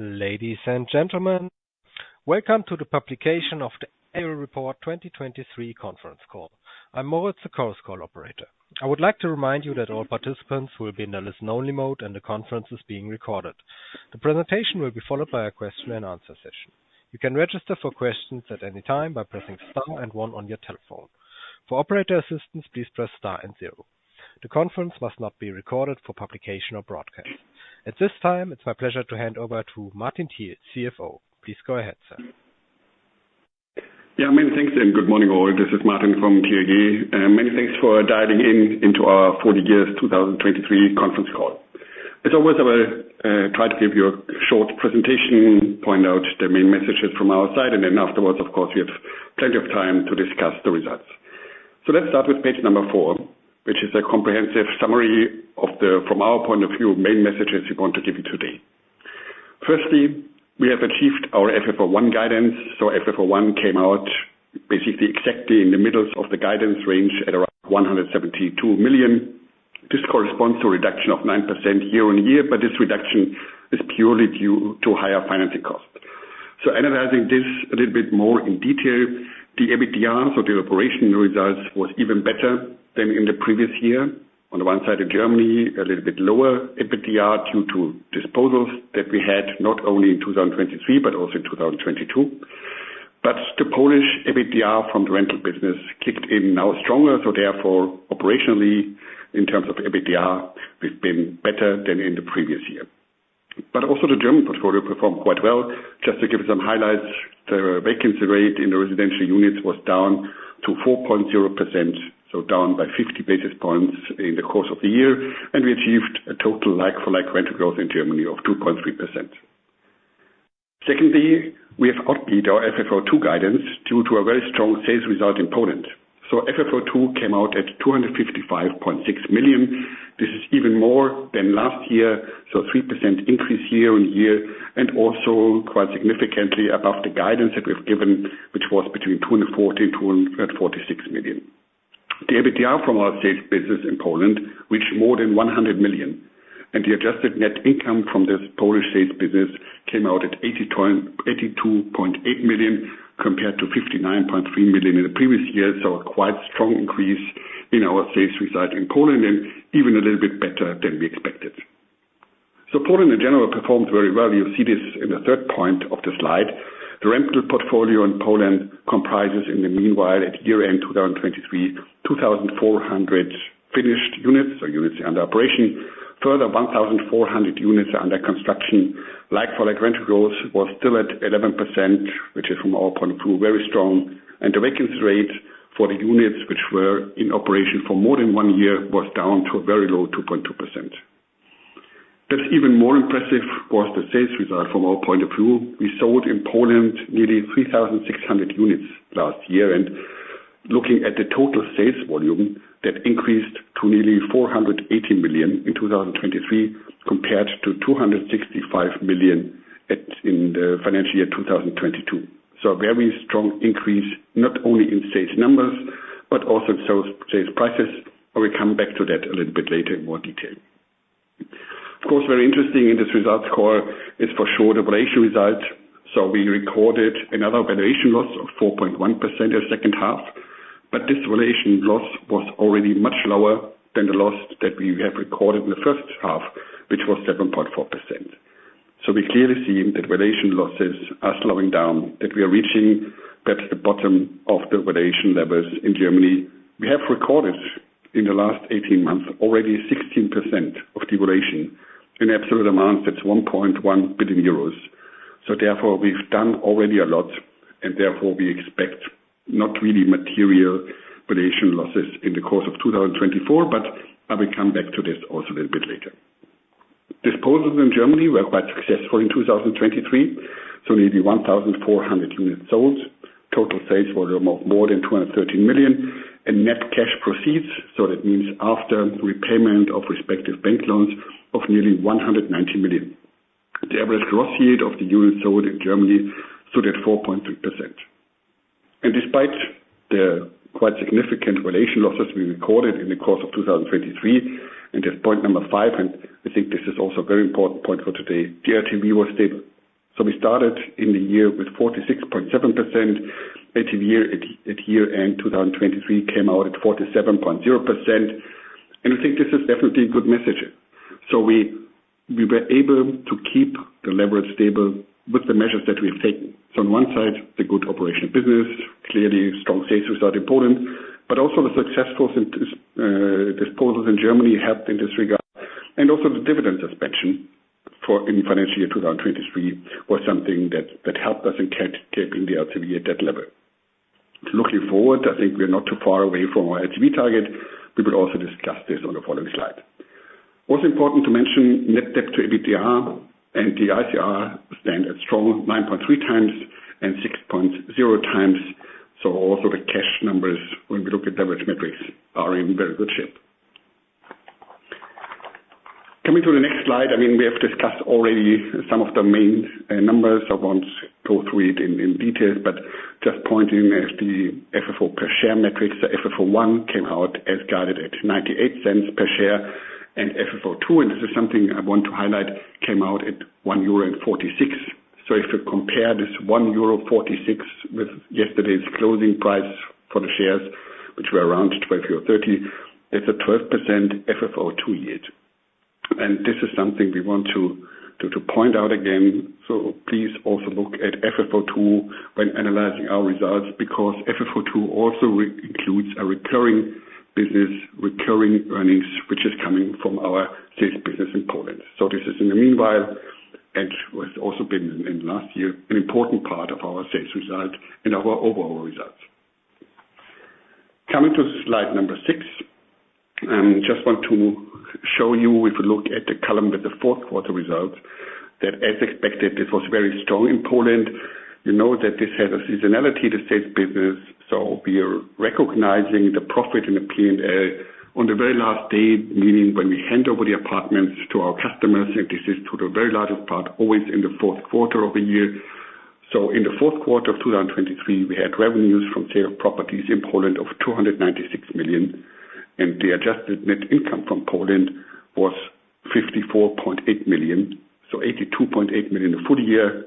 Ladies and gentlemen, welcome to the publication of the annual report 2023 conference call. I'm Moritz, the conference call operator. I would like to remind you that all participants will be in a listen-only mode, and the conference is being recorded. The presentation will be followed by a question and answer session. You can register for questions at any time by pressing star and one on your telephone. For operator assistance, please press star and zero. The conference must not be recorded for publication or broadcast. At this time, it's my pleasure to hand over to Martin Thiel, CFO. Please go ahead, sir. Yeah, many thanks, and good morning all. This is Martin from TAG. Many thanks for dialing in to our full year 2023 conference call. As always, I will try to give you a short presentation, point out the main messages from our side, and then afterwards, of course, we have plenty of time to discuss the results. So let's start with page number 4, which is a comprehensive summary of the, from our point of view, main messages we want to give you today. Firstly, we have achieved our FFO I guidance, so FFO I came out basically exactly in the middle of the guidance range at around 172 million. This corresponds to a reduction of 9% year-on-year, but this reduction is purely due to higher financing costs. So analyzing this a little bit more in detail, the EBITDA, so the operational results, was even better than in the previous year. On the one side, in Germany, a little bit lower EBITDA due to disposals that we had, not only in 2023, but also in 2022. But the Polish EBITDA from the rental business kicked in now stronger, so therefore, operationally, in terms of EBITDA, we've been better than in the previous year. But also the German portfolio performed quite well. Just to give some highlights, the vacancy rate in the residential units was down to 4.0%, so down by 50 basis points in the course of the year, and we achieved a total like-for-like rental growth in Germany of 2.3%. Secondly, we have updated our FFO II guidance due to a very strong sales result in Poland. So FFO II came out at 255.6 million. This is even more than last year, so a 3% increase year-on-year, and also quite significantly above the guidance that we've given, which was between 240 million and 246 million. The EBITDA from our sales business in Poland reached more than 100 million, and the adjusted net income from this Polish sales business came out at 82.8 million, compared to 59.3 million in the previous years. So a quite strong increase in our sales result in Poland, and even a little bit better than we expected. So Poland in general performed very well. You'll see this in the third point of the slide. The rental portfolio in Poland comprises, in the meanwhile, at year-end 2023, 2,400 finished units, so units under operation. Further, 1,400 units are under construction. Like-for-like rental growth was still at 11%, which is, from our point of view, very strong, and the vacancy rate for the units which were in operation for more than one year, was down to a very low 2.2%. But even more impressive was the sales result from our point of view. We sold in Poland nearly 3,600 units last year, and looking at the total sales volume, that increased to nearly 480 million in 2023, compared to 265 million at, in the financial year, 2022. So a very strong increase, not only in sales numbers, but also in sales, sales prices. I will come back to that a little bit later in more detail. Of course, very interesting in this results call is for sure the valuation result. So we recorded another valuation loss of 4.1% in the second half, but this valuation loss was already much lower than the loss that we have recorded in the first half, which was 7.4%. So we clearly see that valuation losses are slowing down, that we are reaching that the bottom of the valuation levels in Germany. We have recorded in the last 18 months, already 16% of the valuation. In absolute amounts, that's 1.1 billion euros. So therefore, we've done already a lot, and therefore we expect not really material valuation losses in the course of 2024, but I will come back to this also a little bit later. Disposals in Germany were quite successful in 2023, so nearly 1,400 units sold, total sales volume of more than 213 million, and net cash proceeds, so that means after repayment of respective bank loans, of nearly 190 million. The average gross yield of the units sold in Germany stood at 4.3%. And despite the quite significant valuation losses we recorded in the course of 2023, and as point number 5, and I think this is also a very important point for today, the LTV was stable. So we started in the year with 46.7%, at year-end 2023, came out at 47.0%, and I think this is definitely a good message. So we were able to keep the leverage stable with the measures that we have taken. So on one side, the good operation business, clearly strong sales result in Poland, but also the successful disposals in Germany helped in this regard. And also the dividend suspension for in financial year 2023 was something that helped us in keeping the LTV at that level. Looking forward, I think we are not too far away from our LTV target. We will also discuss this on the following slide. Also important to mention, net debt to EBITDA and the ICR stand at strong 9.3 times and 6.0 times. So also the cash numbers, when we look at average metrics, are in very good shape. Coming to the next slide, I mean, we have discussed already some of the main numbers. Go through it in details, but just pointing at the FFO per share metrics. The FFO I came out as guided at 0.98 per share, and FFO II, and this is something I want to highlight, came out at 1.46 euro. So if you compare this 1.46 euro with yesterday's closing price for the shares, which were around 12.30 euro, it's a 12% FFO II yield. And this is something we want to point out again. So please also look at FFO II when analyzing our results, because FFO II also includes a recurring business, recurring earnings, which is coming from our sales business in Poland. So this is in the meanwhile, and has also been in last year, an important part of our sales result and our overall results. Coming to slide number 6, just want to show you, if you look at the column with the fourth quarter results, that as expected, this was very strong in Poland. You know, that this has a seasonality to sales business, so we are recognizing the profit in the P&L on the very last day, meaning when we hand over the apartments to our customers, and this is to the very largest part, always in the fourth quarter of the year. In the fourth quarter of 2023, we had revenues from sale of properties in Poland of 296 million, and the adjusted net income from Poland was 54.8 million, so 82.8 million the full year,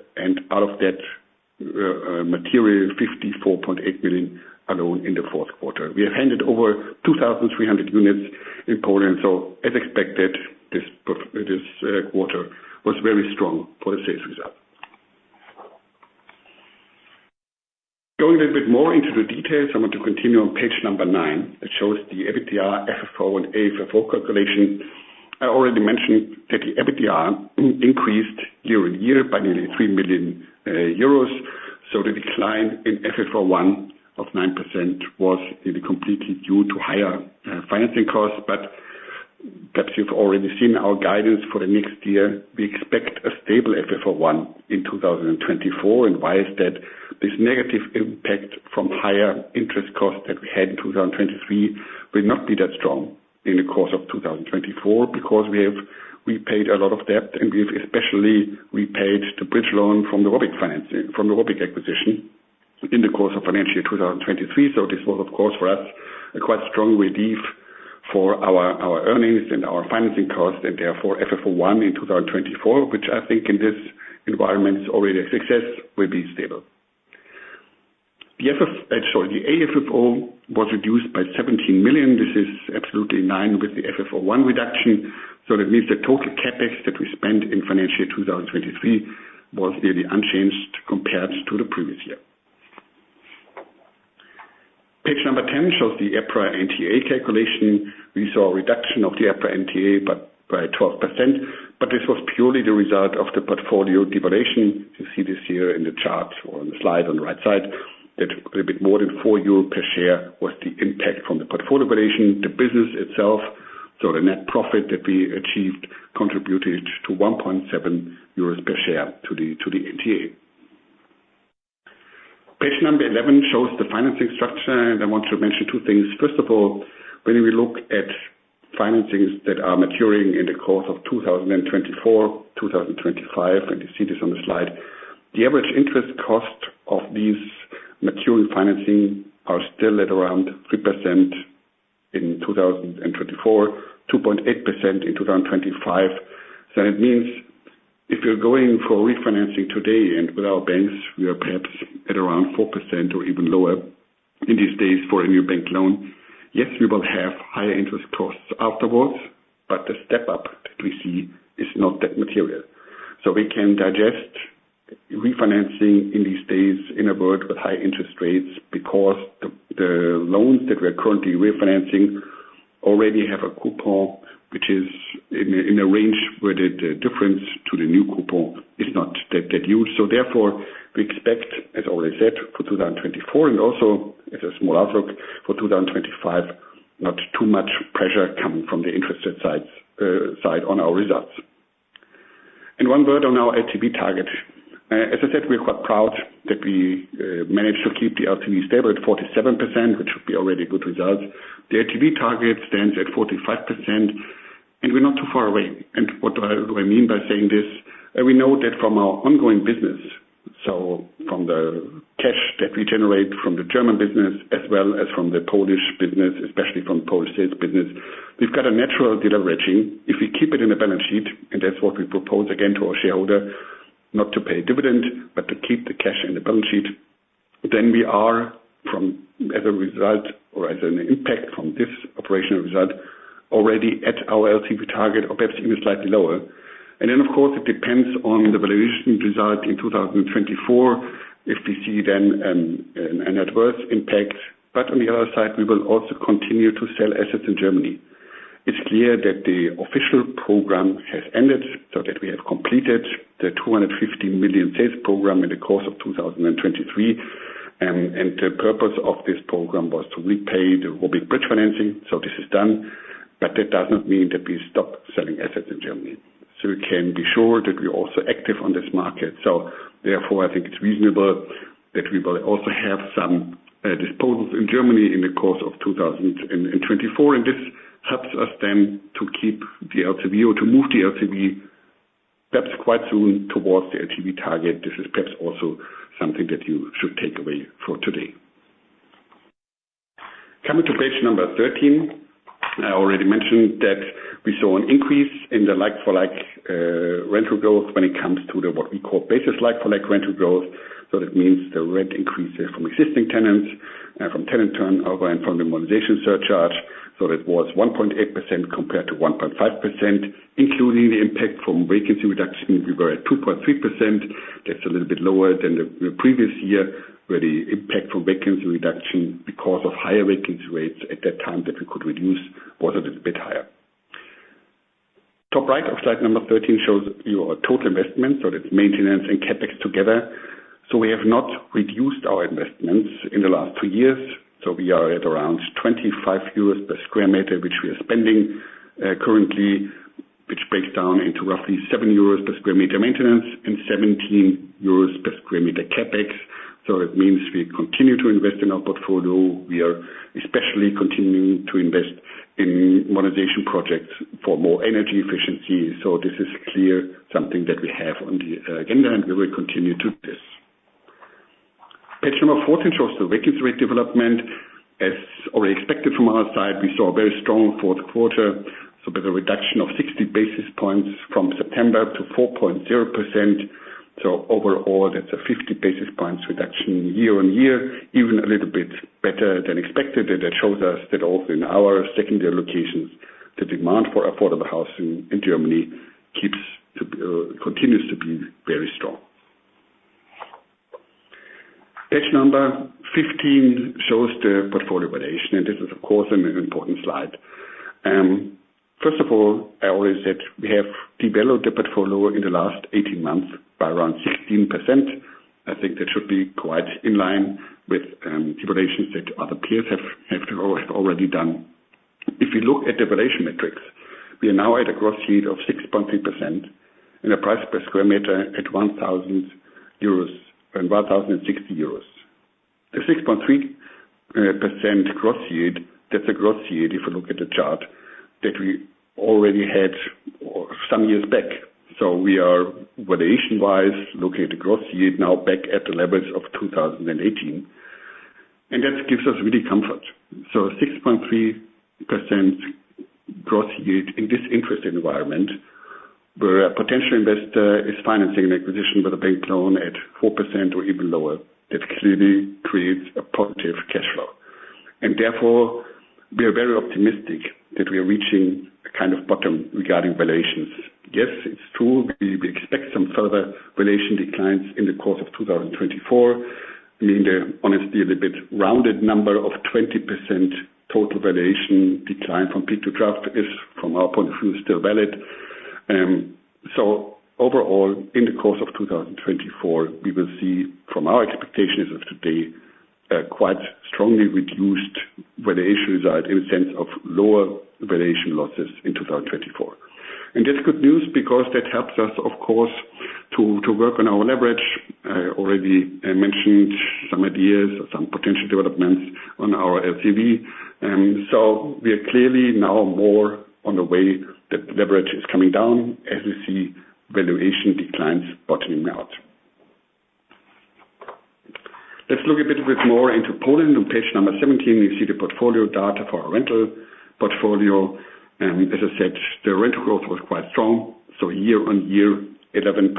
and out of that, 54.8 million alone in the fourth quarter. We have handed over 2,300 units in Poland, so as expected, this quarter was very strong for the sales result. Going a bit more into the details, I want to continue on page 9. It shows the EBITDA, FFO, and AFFO calculation. I already mentioned that the EBITDA increased year-on-year by nearly 3 million euros, so the decline in FFO I of 9% was really completely due to higher financing costs. But perhaps you've already seen our guidance for the next year. We expect a stable FFO I in 2024. Why is that? This negative impact from higher interest costs that we had in 2023 will not be that strong in the course of 2024, because we have repaid a lot of debt, and we've especially repaid the bridge loan from the ROBYG financing, from the ROBYG acquisition, in the course of financial year 2023. So this was, of course, for us, a quite strong relief for our earnings and our financing costs, and therefore FFO I in 2024, which I think in this environment is already a success, will be stable. The FF-, sorry, the AFFO was reduced by 17 million. This is absolutely in line with the FFO I reduction, so that means the total CapEx that we spent in financial year 2023 was nearly unchanged compared to the previous year. Page 10 shows the EPRA NTA calculation. We saw a reduction of the EPRA NTA, but by 12%, but this was purely the result of the portfolio devaluation. You see this here in the charts or on the slide on the right side, that a little bit more than 4 euro per share was the impact from the portfolio valuation. The business itself, so the net profit that we achieved contributed to 1.7 euros per share to the, to the NTA. Page 11 shows the financing structure, and I want to mention two things. First of all, when we look at financings that are maturing in the course of 2024, 2025, and you see this on the slide, the average interest cost of these maturing financing are still at around 3% in 2024, 2.8% in 2025. So it means if you're going for refinancing today and with our banks, we are perhaps at around 4% or even lower in these days for a new bank loan. Yes, we will have higher interest costs afterwards, but the step up that we see is not that material. So we can digest refinancing in these days in a world with high interest rates because the loans that we are currently refinancing already have a coupon which is in a range where the difference to the new coupon is not that huge. So therefore, we expect, as already said, for 2024, and also as a small outlook for 2025, not too much pressure coming from the interest rate side on our results. And one word on our LTV target. As I said, we're quite proud that we managed to keep the LTV stable at 47%, which would be already good results. The LTV target stands at 45%, and we're not too far away. And what do I mean by saying this? We know that from our ongoing business, so from the cash that we generate from the German business as well as from the Polish business, especially from Polish sales business, we've got a natural deleveraging. If we keep it in the balance sheet, and that's what we propose, again, to our shareholder, not to pay dividend, but to keep the cash in the balance sheet, then we are from, as a result or as an impact from this operational result, already at our LTV target or perhaps even slightly lower. And then, of course, it depends on the valuation result in 2024, if we see then, an adverse impact. But on the other side, we will also continue to sell assets in Germany. It's clear that the official program has ended, so that we have completed the 250 million sales program in the course of 2023. And the purpose of this program was to repay the ROBYG bridge financing. So this is done, but that does not mean that we stop selling assets in Germany. So we can be sure that we're also active on this market. So therefore, I think it's reasonable that we will also have some disposals in Germany in the course of 2024, and this helps us then to keep the LTV or to move the LTV perhaps quite soon towards the LTV target. This is perhaps also something that you should take away for today. Coming to page 13, I already mentioned that we saw an increase in the like-for-like rental growth when it comes to the, what we call, basis like-for-like rental growth. So that means the rent increases from existing tenants, from tenant turnover and from the modernization surcharge. So that was 1.8% compared to 1.5%, including the impact from vacancy reduction. We were at 2.3%. That's a little bit lower than the previous year, where the impact from vacancy reduction, because of higher vacancy rates at that time, that we could reduce, was a little bit higher. Top right of slide 13 shows your total investment, so that's maintenance and CapEx together. So we have not reduced our investments in the last 2 years. So we are at around 25 euros per square meter, which we are spending, currently, which breaks down into roughly 7 euros per square meter maintenance and 17 euros per square meter CapEx. So it means we continue to invest in our portfolio. We are especially continuing to invest in modernization projects for more energy efficiency. So this is clear, something that we have on the, agenda, and we will continue to do this. Page number 14 shows the vacancy rate development. As already expected from our side, we saw a very strong fourth quarter, so by the reduction of 60 basis points from September to 4.0%. So overall, that's a 50 basis points reduction year-on-year, even a little bit better than expected. That shows us that also in our secondary locations, the demand for affordable housing in Germany continues to be very strong. Page number 15 shows the portfolio valuation, and this is, of course, an important slide. First of all, I already said we have developed the portfolio in the last 18 months by around 16%. I think that should be quite in line with valuations that other peers have already done. If you look at the valuation metrics, we are now at a gross yield of 6.3% and a price per square meter at 1,000 euros and 1,060 euros. A 6.3% gross yield, that's a gross yield, if you look at the chart, that we already had or some years back. So we are valuation-wise, looking at the gross yield now back at the levels of 2018, and that gives us really comfort. So 6.3% gross yield in this interest environment, where a potential investor is financing an acquisition with a bank loan at 4% or even lower, that clearly creates a positive cash flow. And therefore, we are very optimistic that we are reaching a kind of bottom regarding valuations. Yes, it's true, we expect some further valuation declines in the course of 2024. I mean, to be honest, the bit rounded number of 20% total valuation decline from peak to trough is, from our point of view, still valid. So overall, in the course of 2024, we will see from our expectations of today, a quite strongly reduced valuation result in sense of lower valuation losses in 2024. And that's good news because that helps us, of course, to, to work on our leverage. Already I mentioned some ideas, some potential developments on our LTV. So we are clearly now more on the way that leverage is coming down as we see valuation declines bottoming out. Let's look a little bit more into Poland. On page 17, you see the portfolio data for our rental portfolio, and as I said, the rental growth was quite strong, so year on year, 11%.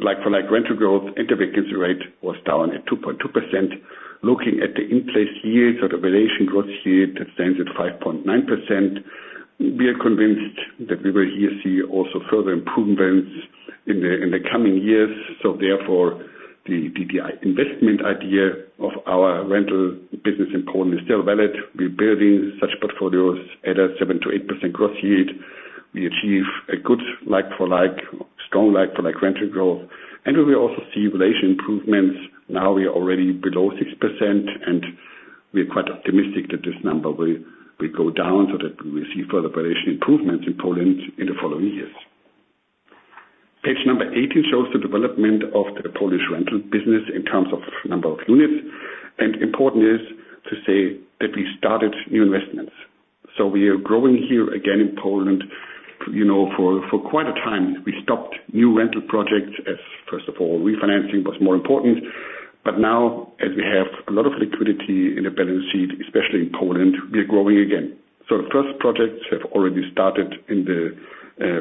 Like-for-like rental growth and the vacancy rate was down at 2.2%. Looking at the in-place yields or the valuation gross yield, that stands at 5.9%. We are convinced that we will here see also further improvements in the, in the coming years. So therefore, the DDI investment idea of our rental business in Poland is still valid. We're building such portfolios at a 7%-8% gross yield. We achieve a good like-for-like, strong like-for-like rental growth, and we will also see valuation improvements. Now, we are already below 6%, and we are quite optimistic that this number will, will go down so that we will see further valuation improvements in Poland in the following years. Page number 18 shows the development of the Polish rental business in terms of number of units. Important is to say that we started new investments. So we are growing here again in Poland. You know, for quite a time, we stopped new rental projects as, first of all, refinancing was more important. But now, as we have a lot of liquidity in the balance sheet, especially in Poland, we are growing again. So the first projects have already started in the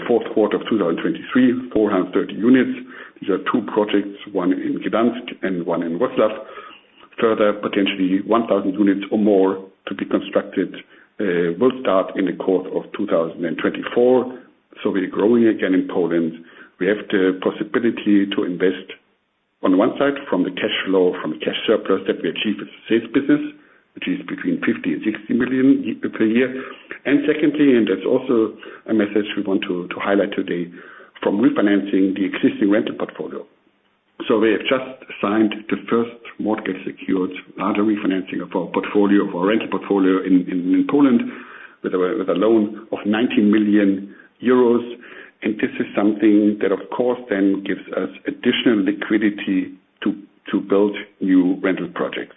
fourth quarter of 2023, 430 units. These are two projects, one in Gdańsk and one in Wrocław. Further, potentially 1,000 units or more to be constructed will start in the course of 2024. So we are growing again in Poland. We have the possibility to invest, on one side, from the cash flow, from the cash surplus that we achieve with the sales business, which is between 50 million and 60 million per year. And secondly, and that's also a message we want to highlight today, from refinancing the existing rental portfolio. So we have just signed the first mortgage secured, larger refinancing of our portfolio, of our rental portfolio in Poland with a loan of 90 million euros, and this is something that, of course, then gives us additional liquidity to build new rental projects.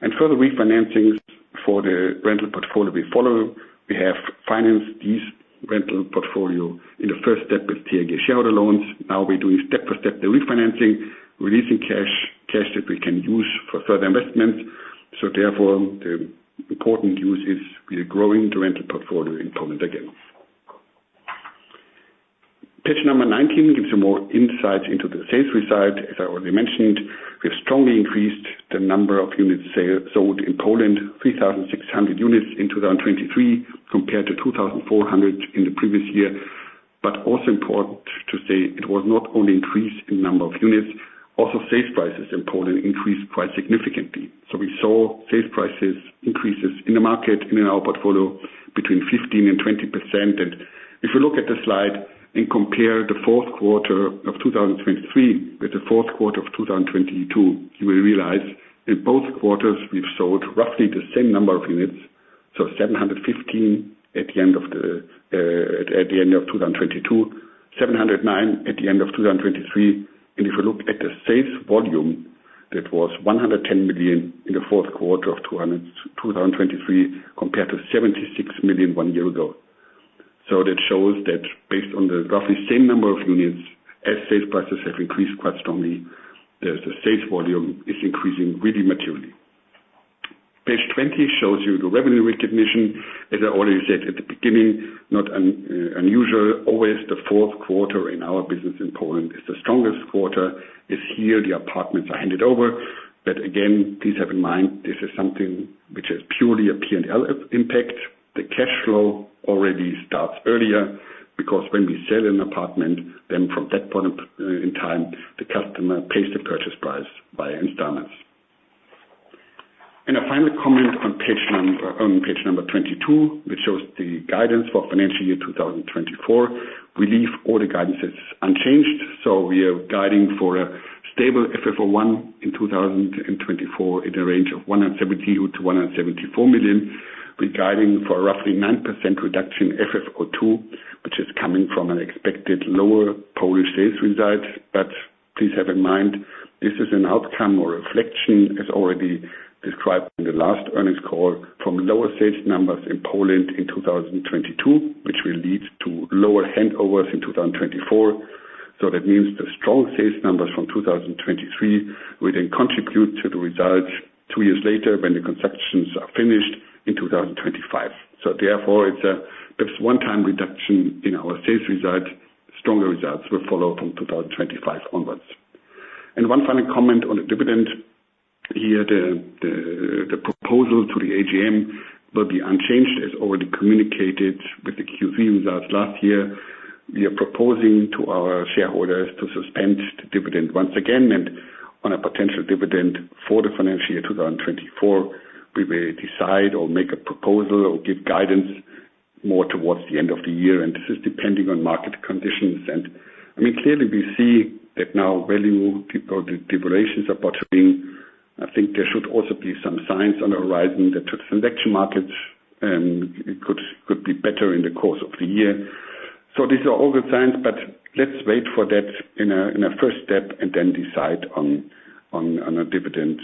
And further refinancings for the rental portfolio we follow. We have financed these rental portfolio in the first step with TAG shareholder loans. Now we're doing step-by-step the refinancing, releasing cash that we can use for further investments. So therefore, the important use is we are growing the rental portfolio in Poland again. Page number 19 gives you more insights into the sales result. As I already mentioned, we have strongly increased the number of units sold in Poland, 3,600 units in 2023, compared to 2,400 in the previous year. But also important to say, it was not only increase in number of units, also sales prices in Poland increased quite significantly. So we saw sales prices increases in the market, in our portfolio between 15% and 20%. And if you look at the slide and compare the fourth quarter of 2023 with the fourth quarter of 2022, you will realize in both quarters, we've sold roughly the same number of units. So 715 at the end of 2022, 709 at the end of 2023. And if you look at the sales volume, that was 110 million in the fourth quarter of 2023, compared to 76 million one year ago. So that shows that based on the roughly same number of units, as sales prices have increased quite strongly, the sales volume is increasing really materially. Page 20 shows you the revenue recognition. As I already said at the beginning, not unusual, always the fourth quarter in our business in Poland is the strongest quarter. It's here, the apartments are handed over. But again, please have in mind, this is something which is purely a P&L impact. The cash flow already starts earlier, because when we sell an apartment, then from that point of, in time, the customer pays the purchase price by installments. A final comment on page number, on page number 22, which shows the guidance for financial year 2024. We leave all the guidances unchanged, so we are guiding for a stable FFO I in 2024, in a range of 170 million-174 million. We're guiding for roughly 9% reduction in FFO II, which is coming from an expected lower Polish sales result. But please have in mind, this is an outcome or reflection, as already described in the last earnings call, from lower sales numbers in Poland in 2022, which will lead to lower handovers in 2024. So that means the strong sales numbers from 2023 will then contribute to the results two years later when the constructions are finished in 2025. So therefore, it's a one-time reduction in our sales result. Stronger results will follow from 2025 onwards. One final comment on the dividend. Here, the proposal to the AGM will be unchanged, as already communicated with the Q3 results last year. We are proposing to our shareholders to suspend the dividend once again, and on a potential dividend for the financial year 2024, we will decide or make a proposal or give guidance more towards the end of the year, and this is depending on market conditions. And I mean, clearly, we see that now, valuations are bottoming. I think there should also be some signs on the horizon that the lettings markets could be better in the course of the year. So these are all good signs, but let's wait for that in a first step and then decide on a dividend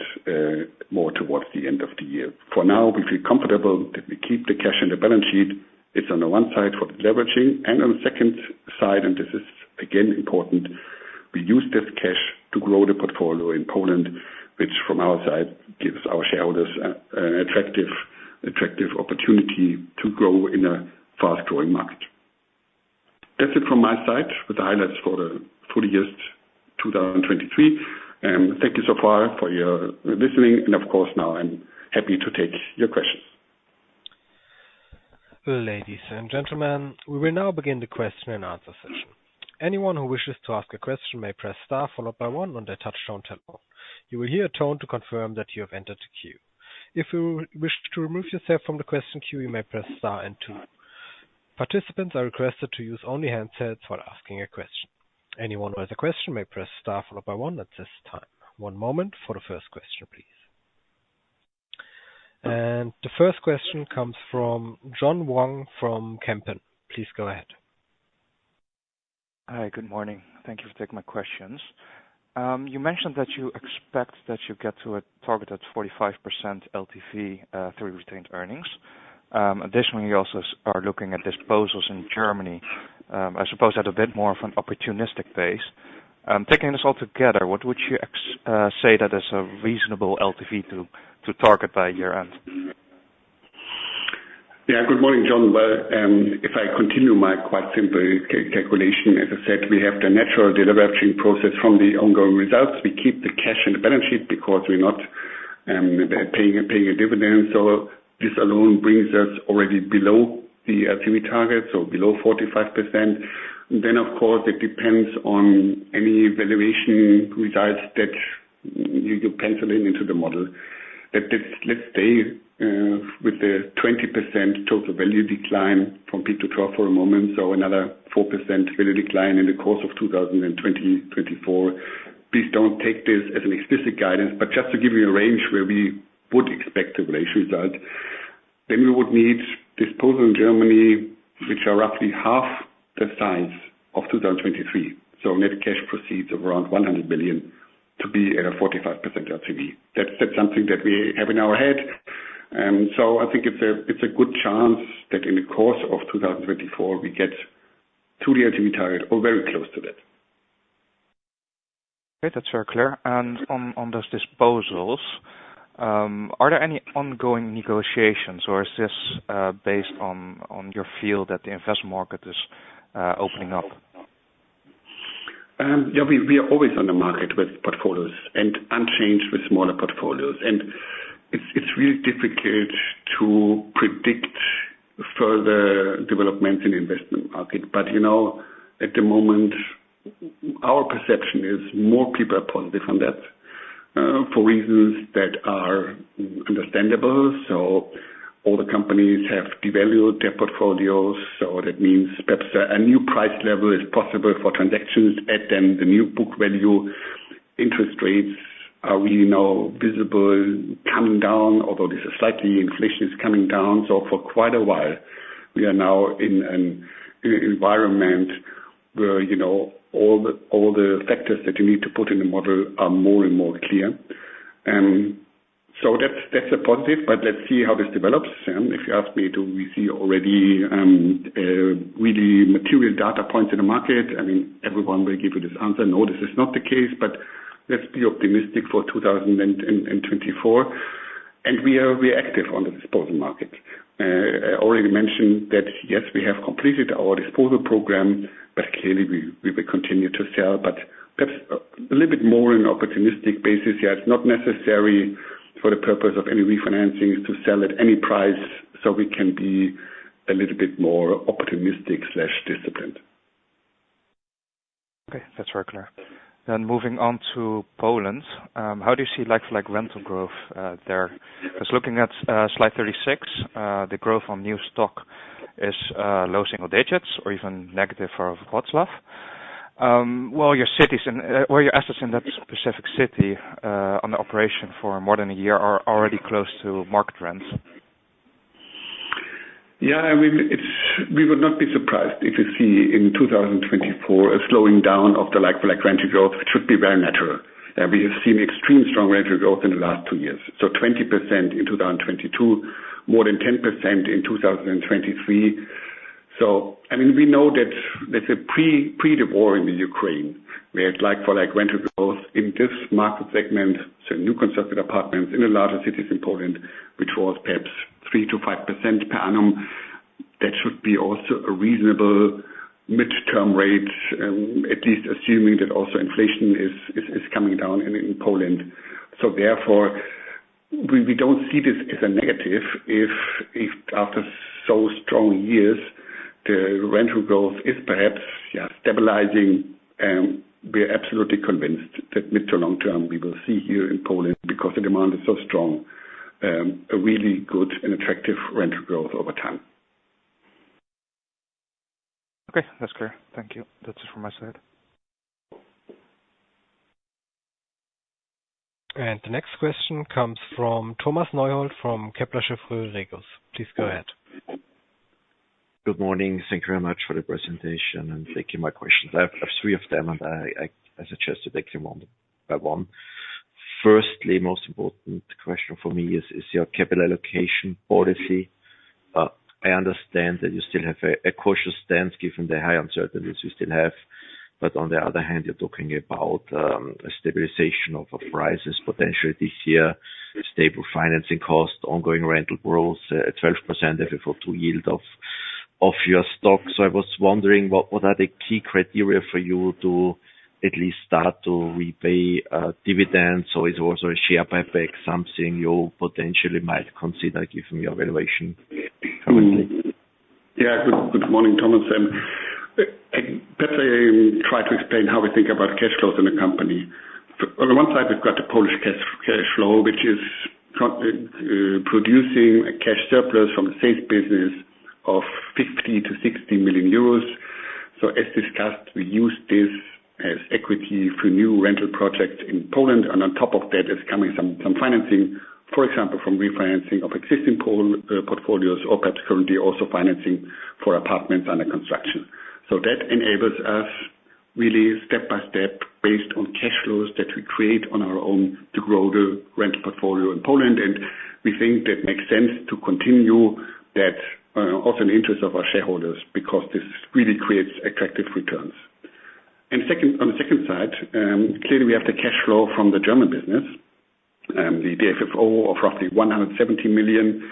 more towards the end of the year. For now, we feel comfortable that we keep the cash on the balance sheet. It's on the one side for the leveraging, and on the second side, and this is again important, we use this cash to grow the portfolio in Poland, which from our side, gives our shareholders an attractive opportunity to grow in a fast-growing market. That's it from my side, with the highlights for the full years 2023. Thank you so far for your listening, and of course, now I'm happy to take your questions. Ladies and gentlemen, we will now begin the question and answer session. Anyone who wishes to ask a question may press star followed by one on their touchtone telephone. You will hear a tone to confirm that you have entered the queue. If you wish to remove yourself from the question queue, you may press star and two. Participants are requested to use only handsets while asking a question. Anyone who has a question may press star followed by one at this time. One moment for the first question, please. The first question comes from John Vuong from Kempen. Please go ahead. Hi, good morning. Thank you for taking my questions. You mentioned that you expect that you get to a target at 45% LTV, through retained earnings. Additionally, you also are looking at disposals in Germany, I suppose at a bit more of an opportunistic pace. Taking this all together, what would you say that is a reasonable LTV to, to target by year-end? Yeah. Good morning, John. Well, if I continue my quite simple calculation, as I said, we have the natural deleveraging process from the ongoing results. We keep the cash in the balance sheet because we're not paying a dividend. So this alone brings us already below the LTV target, so below 45%. Then of course, it depends on any valuation results that you pencil in into the model. But let's stay with the 20% total value decline from peak to trough for a moment, so another 4% value decline in the course of 2020-2024. Please don't take this as an explicit guidance, but just to give you a range where we would expect the valuation result. Then we would need disposals in Germany, which are roughly half the size of 2023. So net cash proceeds of around 100 million to be at a 45% LTV. That's, that's something that we have in our head, and so I think it's a, it's a good chance that in the course of 2024, we get to the LTV target or very close to that. Okay, that's very clear. On those disposals, are there any ongoing negotiations, or is this based on your feel that the investment market is opening up? Yeah, we are always on the market with portfolios and unchanged with smaller portfolios. And it's really difficult to predict further developments in investment market. But, you know, at the moment, our perception is more people are positive on that, for reasons that are understandable. So all the companies have devalued their portfolios, so that means perhaps a new price level is possible for transactions at then the new book value. Interest rates are really now visible coming down, although this is slightly, inflation is coming down. So for quite a while, we are now in an environment where, you know, all the factors that you need to put in the model are more and more clear. So that's a positive, but let's see how this develops. If you ask me, do we see already really material data points in the market? I mean, everyone will give you this answer, no, this is not the case, but let's be optimistic for 2024. We are reactive on the disposal market. I already mentioned that, yes, we have completed our disposal program, but clearly, we will continue to sell, but perhaps a little bit more on an opportunistic basis. Yeah, it's not necessary for the purpose of any refinancings to sell at any price, so we can be a little bit more optimistic/disciplined. Okay, that's very clear. Then moving on to Poland, how do you see like-for-like rental growth there? Because looking at slide 36, the growth on new stock is low single digits or even negative for Wrocław. Well, your cities and where your assets in that specific city on the operation for more than a year are already close to market rents. Yeah, I mean, it's-- we would not be surprised if you see in 2024, a slowing down of the like-for-like rental growth. It should be very natural. We have seen extreme strong rental growth in the last two years. So 20% in 2022, more than 10% in 2023. So, I mean, we know that there's a pre the war in the Ukraine, we had like-for-like rental growth in this market segment, so new constructed apartments in the larger cities in Poland, which was perhaps 3%-5% per annum. That should be also a reasonable mid-term rate, at least assuming that also inflation is coming down in Poland. So therefore, we don't see this as a negative if after so strong years, the rental growth is perhaps, yeah, stabilizing. We're absolutely convinced that mid to long term, we will see here in Poland, because the demand is so strong, a really good and attractive rental growth over time. Okay, that's clear. Thank you. That's it from my side. The next question comes from Thomas Neuhold, from Kepler Cheuvreux. Please go ahead. Good morning. Thank you very much for the presentation, and thank you my questions. I have three of them, and I suggest that take them one by one. Firstly, most important question for me is your capital allocation policy. I understand that you still have a cautious stance given the high uncertainties you still have. But on the other hand, you're talking about a stabilization of prices potentially this year, stable financing costs, ongoing rental growth at 12%, FFO to yield of your stock. So I was wondering, what are the key criteria for you to at least start to repay dividends, or is also a share buyback something you potentially might consider given your valuation currently? Yeah. Good morning, Thomas. Perhaps I try to explain how we think about cash flows in the company. On the one side, we've got the Polish cash flow, which is producing a cash surplus from a safe business of 50 million-60 million euros. So as discussed, we use this as equity for new rental projects in Poland, and on top of that is coming some financing, for example, from refinancing of existing Polish portfolios or perhaps currently also financing for apartments under construction. So that enables us really step-by-step, based on cash flows that we create on our own, to grow the rental portfolio in Poland. And we think that makes sense to continue that, also in the interest of our shareholders, because this really creates attractive returns. And second, on the second side, clearly we have the cash flow from the German business, the FFO of roughly 170 million.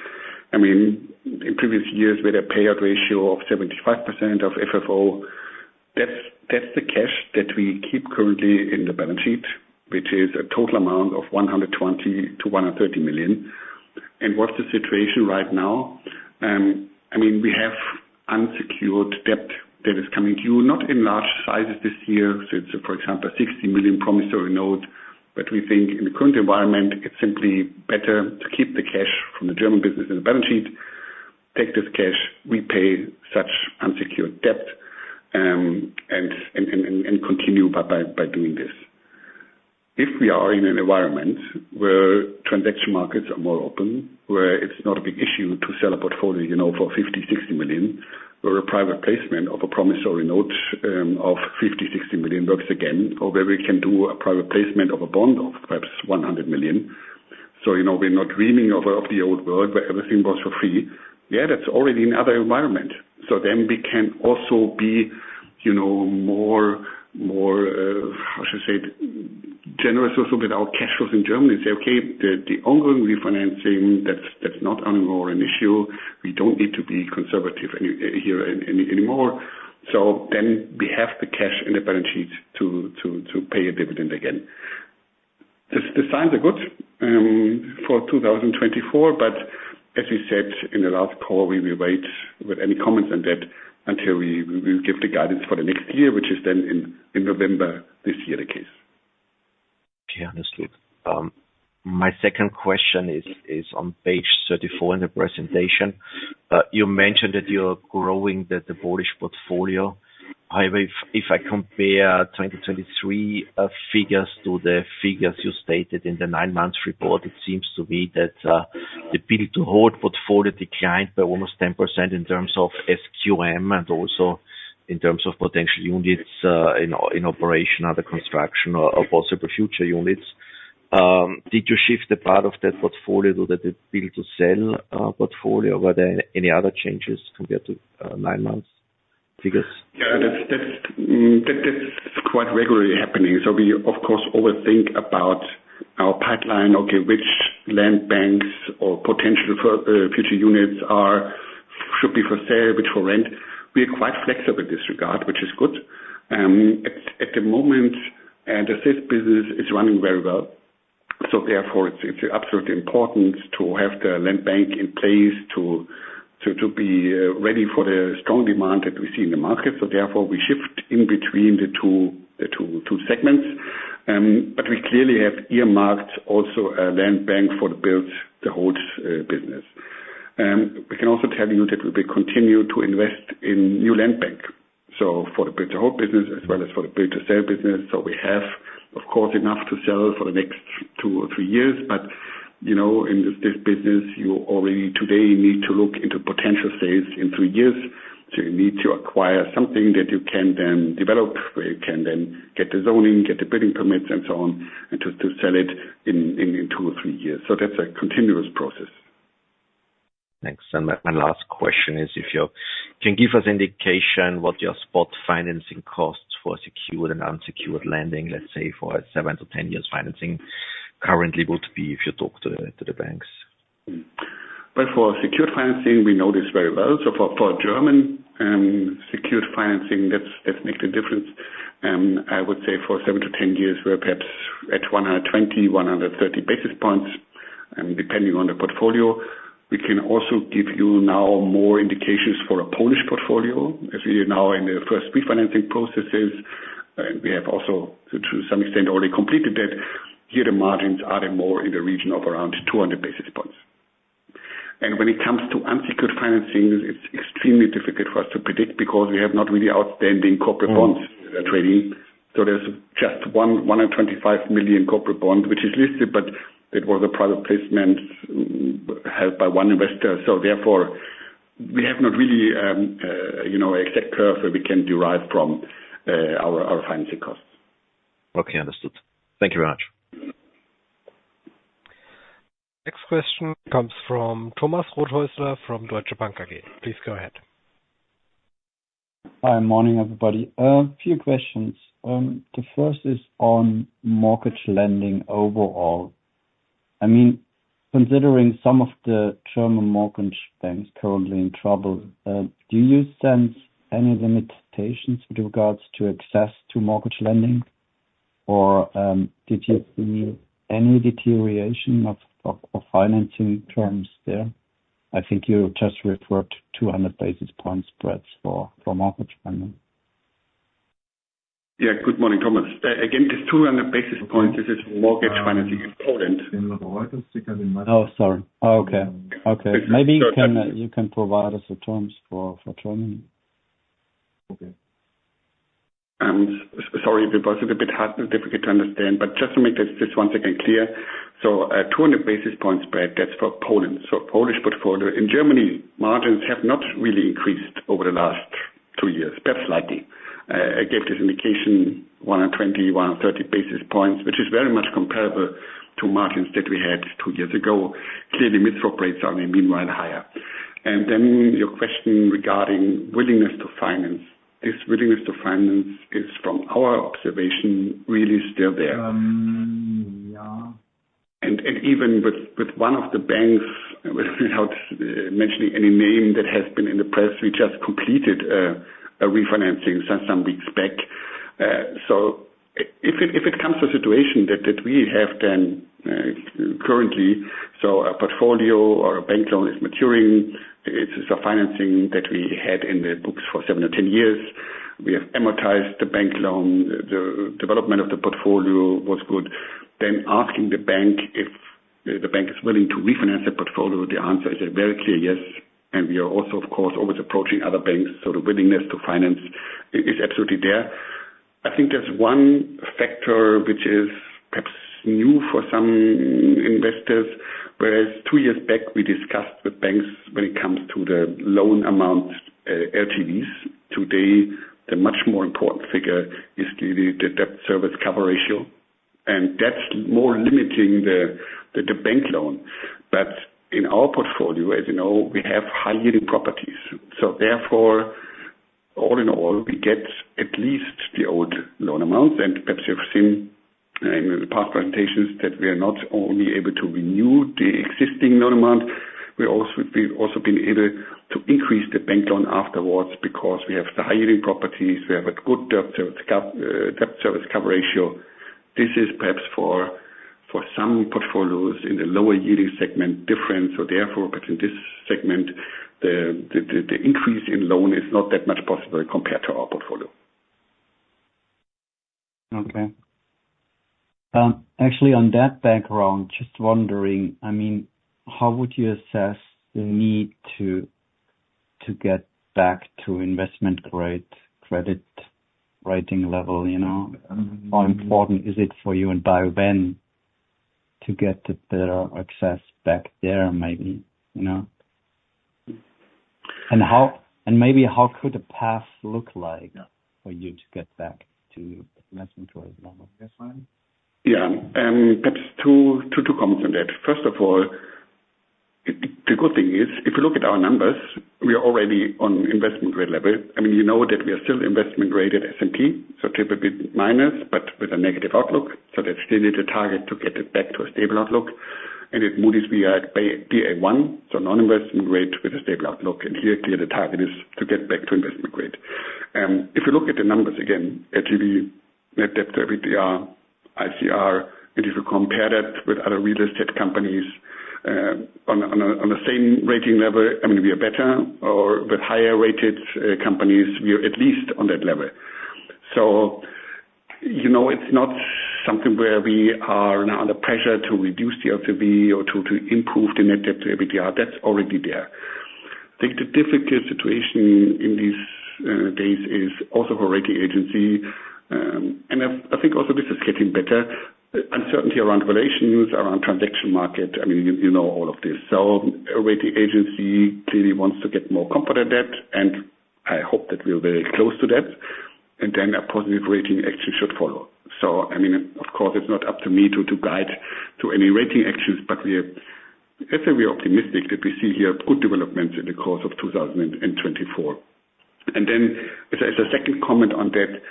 I mean, in previous years, with a payout ratio of 75% of FFO, that's the cash that we keep currently in the balance sheet, which is a total amount of 120 million-130 million. And what's the situation right now? I mean, we have unsecured debt that is coming due, not in large sizes this year. So it's, for example, 60 million promissory note, but we think in the current environment, it's simply better to keep the cash from the German business in the balance sheet, take this cash, repay such unsecured debt, and continue by doing this. If we are in an environment where transaction markets are more open, where it's not a big issue to sell a portfolio, you know, for 50-60 million, where a private placement of a promissory note of 50-60 million works again, or where we can do a private placement of a bond of perhaps 100 million. So, you know, we're not dreaming of the old world, where everything was for free. Yeah, that's already another environment. So then we can also be, you know, more, more, how should I say it? Generous also with our cash flows in Germany and say, "Okay, the ongoing refinancing, that's not anymore an issue. We don't need to be conservative anymore." So then we have the cash in the balance sheet to pay a dividend again. The signs are good for 2024, but as we said in the last call, we will wait with any comments on that until we give the guidance for the next year, which is then in November this year, the case. Okay, understood. My second question is on page 34 in the presentation. You mentioned that you're growing the Polish portfolio. However, if I compare 2023 figures to the figures you stated in the nine-month report, it seems that the build-to-hold portfolio declined by almost 10% in terms of SQM, and also in terms of potential units in operation, under construction or possible future units. Did you shift a part of that portfolio to the build-to-sell portfolio? Were there any other changes compared to nine months figures? Yeah, that's quite regularly happening. So we, of course, always think about our pipeline. Okay, which land banks or potential future units are should be for sale, which for rent. We are quite flexible in this regard, which is good. At the moment, this business is running very well. So therefore, it's absolutely important to have the land bank in place to be ready for the strong demand that we see in the market. So therefore, we shift in between the two segments. But we clearly have earmarked also a land bank for the build-to-hold business. We can also tell you that we continue to invest in new land bank, so for the build-to-hold business as well as for the build-to-sell business. We have, of course, enough to sell for the next two or three years. But, you know, in this business, you already today need to look into potential sales in three years. You need to acquire something that you can then develop, where you can then get the zoning, get the building permits, and so on, and to sell it in two or three years. That's a continuous process. Thanks. My last question is if you can give us indication what your spot financing costs for secured and unsecured lending, let's say, for 7-10 years financing currently would be if you talk to the banks? Well, for secured financing, we know this very well. So for German secured financing, that's that makes a difference. I would say for 7-10 years, we're perhaps at 120-130 basis points, depending on the portfolio. We can also give you now more indications for a Polish portfolio, as we are now in the first refinancing processes, and we have also, to some extent, already completed that. Here, the margins are more in the region of around 200 basis points. And when it comes to unsecured financing, it's extremely difficult for us to predict because we have not really outstanding corporate bonds trading. So there's just one 125 million corporate bond, which is listed, but it was a private placement held by one investor. So therefore, we have not really, you know, exact curve where we can derive from our financing costs. Okay, understood. Thank you very much. Next question comes from Thomas Rothaeusler from Deutsche Bank AG. Please go ahead. Hi, morning, everybody. A few questions. The first is on mortgage lending overall. I mean, considering some of the German mortgage banks currently in trouble, do you sense any limitations with regards to access to mortgage lending? Or, did you see any deterioration of financing terms there? I think you just referred to 200 basis point spreads for mortgage lending. Yeah. Good morning, Thomas. Again, this 200 basis points, this is mortgage financing in Poland. Oh, sorry. Oh, okay. Okay. Maybe you can provide us the terms for Germany. Okay. Sorry if it was a bit hard and difficult to understand, but just to make this just once again clear. Two hundred basis points spread, that's for Poland, so Polish portfolio. In Germany, margins have not really increased over the last two years, perhaps slightly. I gave this indication 120, 130 basis points, which is very much comparable to margins that we had two years ago. Clearly, mid swap rates are meanwhile higher. Then your question regarding willingness to finance. This willingness to finance is, from our observation, really still there. Um, yeah. And even with one of the banks, without mentioning any name that has been in the press, we just completed a refinancing some weeks back. So if it comes to a situation that we have then currently, so a portfolio or a bank loan is maturing, it's a financing that we had in the books for 7 or 10 years. We have amortized the bank loan. The development of the portfolio was good. Then asking the bank if the bank is willing to refinance the portfolio, the answer is a very clear yes, and we are also, of course, always approaching other banks, so the willingness to finance is absolutely there. I think there's one factor which is perhaps new for some investors, whereas two years back, we discussed with banks when it comes to the loan amount, LTVs. Today, the much more important figure is the debt service cover ratio, and that's more limiting the bank loan. But in our portfolio, as you know, we have high-yielding properties. So therefore, all in all, we get at least the old loan amount. And perhaps you've seen in the past presentations, that we are not only able to renew the existing loan amount, we also, we've also been able to increase the bank loan afterwards because we have the high-yielding properties, we have a good debt service cover ratio. This is perhaps for some portfolios in the lower-yielding segment different, so therefore, but in this segment, the increase in loan is not that much possible compared to our portfolio. Okay. Actually, on that background, just wondering, I mean, how would you assess the need to get back to investment grade credit rating level, you know? How important is it for you and by when, to get the better access back there, maybe, you know? And maybe how could the path look like for you to get back to investment grade level? Yeah, perhaps two comments on that. First of all, the good thing is, if you look at our numbers, we are already on investment grade level. I mean, you know that we are still investment grade at S&P, so triple B minus, but with a negative outlook, so they still need to target to get it back to a stable outlook. And at Moody's we are at Ba1, so non-investment grade with a stable outlook, and here, clearly the target is to get back to investment grade. If you look at the numbers, again, LTV, net debt to EBITDA, ICR, and if you compare that with other real estate companies, on the same rating level, I mean, we are better, or with higher-rated companies, we are at least on that level. So, you know, it's not something where we are now under pressure to reduce the LTV or to, to improve the net debt to EBITDA. That's already there. I think the difficult situation in these days is also for rating agency, and I, I think also this is getting better. Uncertainty around valuation, around transaction market, I mean, you, you know, all of this. So a rating agency clearly wants to get more confident at, and I hope that we are very close to that, and then a positive rating actually should follow. So I mean, of course, it's not up to me to, to guide to any rating actions, but we are, I'd say we are optimistic that we see here good developments in the course of 2024. And then, as a second comment on that,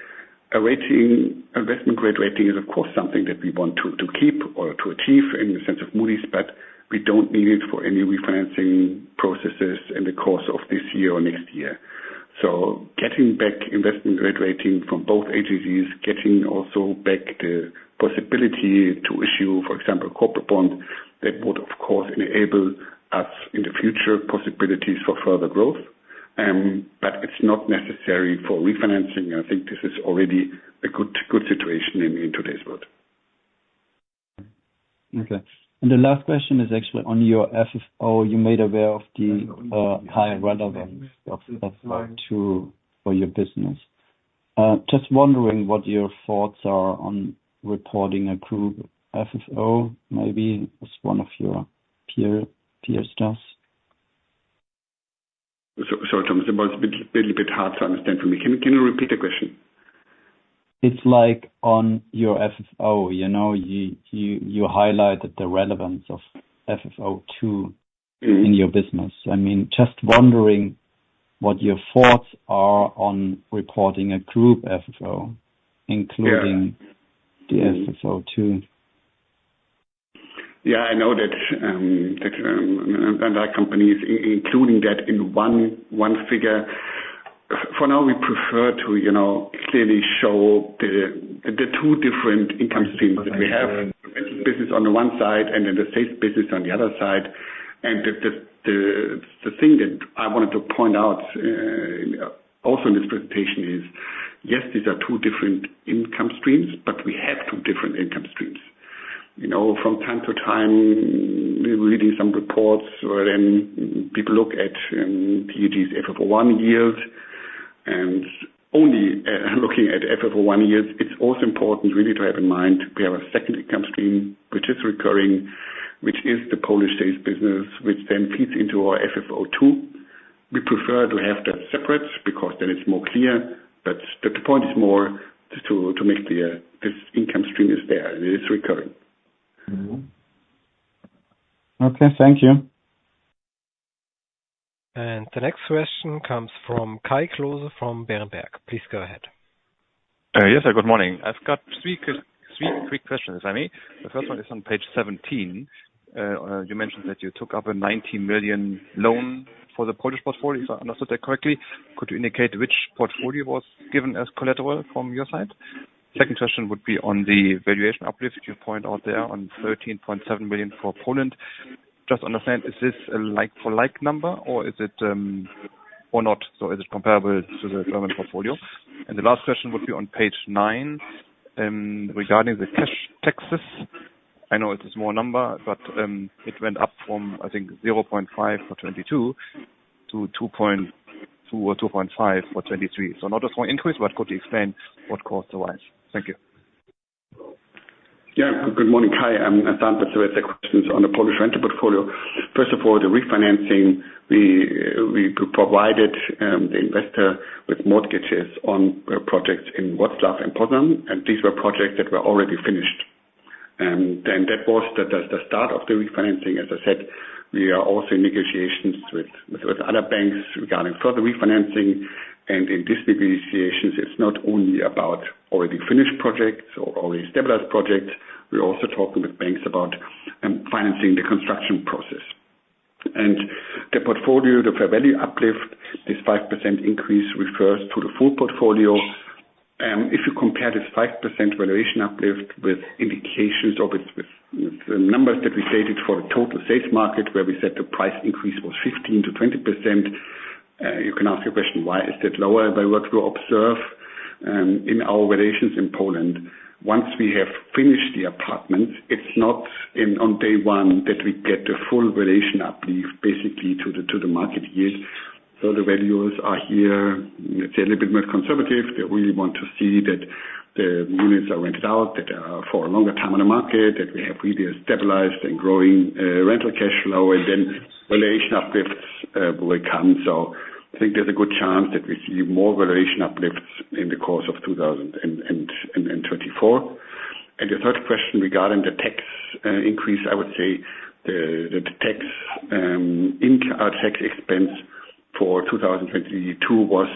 a rating, investment grade rating is, of course, something that we want to keep or to achieve in the sense of Moody's, but we don't need it for any refinancing processes in the course of this year or next year. So getting back investment grade rating from both agencies, getting also back the possibility to issue, for example, corporate bonds, that would, of course, enable us in the future possibilities for further growth, but it's not necessary for refinancing. I think this is already a good situation in today's world. Okay. The last question is actually on your FFO. You made aware of the high relevance of FFO II for your business. Just wondering what your thoughts are on reporting a group FFO, maybe, as one of your peers does? Sorry, Thomas, it was a little bit hard to understand for me. Can you repeat the question? It's like on your FFO, you know, you highlighted the relevance of FFO2- Mm-hmm. in your business. I mean, just wondering what your thoughts are on reporting a group FFO, including- Yeah. -the FFO2. Yeah, I know that, and our company is including that in one figure. For now, we prefer to, you know, clearly show the two different income streams that we have. Rental business on the one side, and then the sales business on the other side. And the thing that I wanted to point out also in this presentation is, yes, these are two different income streams, but we have two different income streams. You know, from time to time, reading some reports, where then people look at TAG's FFO I yield, and only looking at FFO I yields, it's also important really to have in mind we have a second income stream which is recurring, which is the Polish sales business, which then feeds into our FFO II. We prefer to have that separate, because then it's more clear. But the point is more just to make clear this income stream is there, it is recurring. Mm-hmm. Okay, thank you. The next question comes from Kai Klose, from Berenberg. Please go ahead. Yes, sir. Good morning. I've got three quick questions, if I may. The first one is on page 17. You mentioned that you took up a 19 million loan for the Polish portfolio, if I understood that correctly. Could you indicate which portfolio was given as collateral from your side? Second question would be on the valuation uplift. You point out there on 13.7 million for Poland. Just understand, is this a like-for-like number or is it, or not? So is it comparable to the German portfolio? And the last question would be on page 9, regarding the cash taxes. I know it's a small number, but it went up from, I think, 0.5 for 2022 to 2.2 or 2.5 for 2023. Not a small increase, but could you explain what caused the rise? Thank you. Yeah. Good morning, Kai. I'll start with the questions on the Polish rental portfolio. First of all, the refinancing, we provided the investor with mortgages on projects in Wrocław and Poznań, and these were projects that were already finished. And then that was the start of the refinancing. As I said, we are also in negotiations with other banks regarding further refinancing. And in these negotiations, it's not only about already finished projects or already stabilized projects, we're also talking with banks about financing the construction process. And the portfolio, the fair value uplift, this 5% increase refers to the full portfolio. If you compare this 5% valuation uplift with indications of it's with the numbers that we stated for the total sales market, where we said the price increase was 15%-20%, you can ask the question: Why is that lower by what we observe in our valuations in Poland? Once we have finished the apartments, it's not in on day one that we get the full valuation uplift, basically, to the, to the market yield. So the values are here. It's a little bit more conservative, that we want to see that the units are rented out, that are for a longer time on the market, that we have really a stabilized and growing rental cash flow, and then valuation uplifts will come. So I think there's a good chance that we see more valuation uplifts in the course of 2024. The third question regarding the tax increase, I would say the tax in our tax expense for 2022 was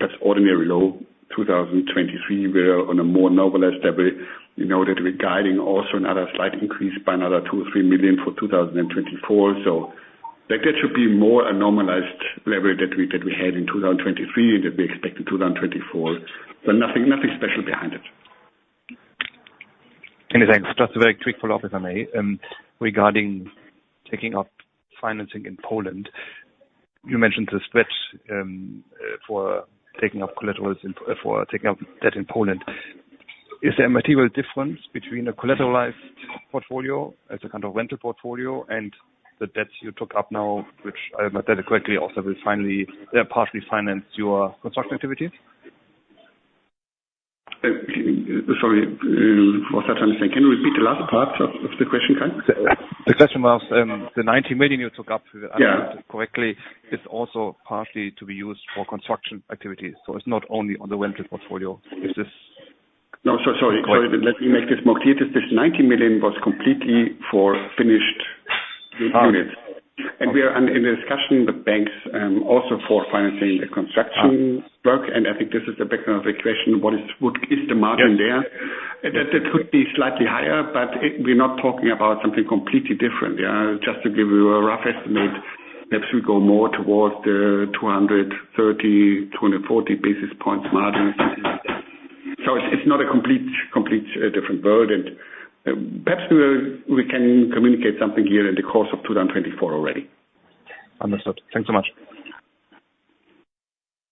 just ordinarily low. 2023, we're on a more normalized level. We know that we're guiding also another slight increase by another 2-3 million for 2024. So that should be more a normalized level that we had in 2023 and that we expect in 2024. But nothing special behind it. Many thanks. Just a very quick follow-up, if I may. Regarding taking up financing in Poland, you mentioned the spread for taking up collaterals and for taking up debt in Poland. Is there a material difference between a collateralized portfolio as a kind of rental portfolio and the debts you took up now, which, if I understand it correctly, also will finally partially finance your construction activities? Sorry, for start understanding, can you repeat the last part of the question, Kai? The question was, the 90 million you took up- Yeah. If I understand correctly, is also partly to be used for construction activities. So it's not only on the rental portfolio. Is this- No, so sorry. Let me make this more clear. This, this 90 million was completely for finished units. Ah. We are in discussion with banks, also for financing the construction work. Ah. I think this is the background of the question: What is the margin there? Yes. That could be slightly higher, but it, we're not talking about something completely different. Yeah, just to give you a rough estimate, perhaps we go more towards the 230-240 basis points margin. So it's not a complete different world. And perhaps we can communicate something here in the course of 2024 already. Understood. Thanks so much.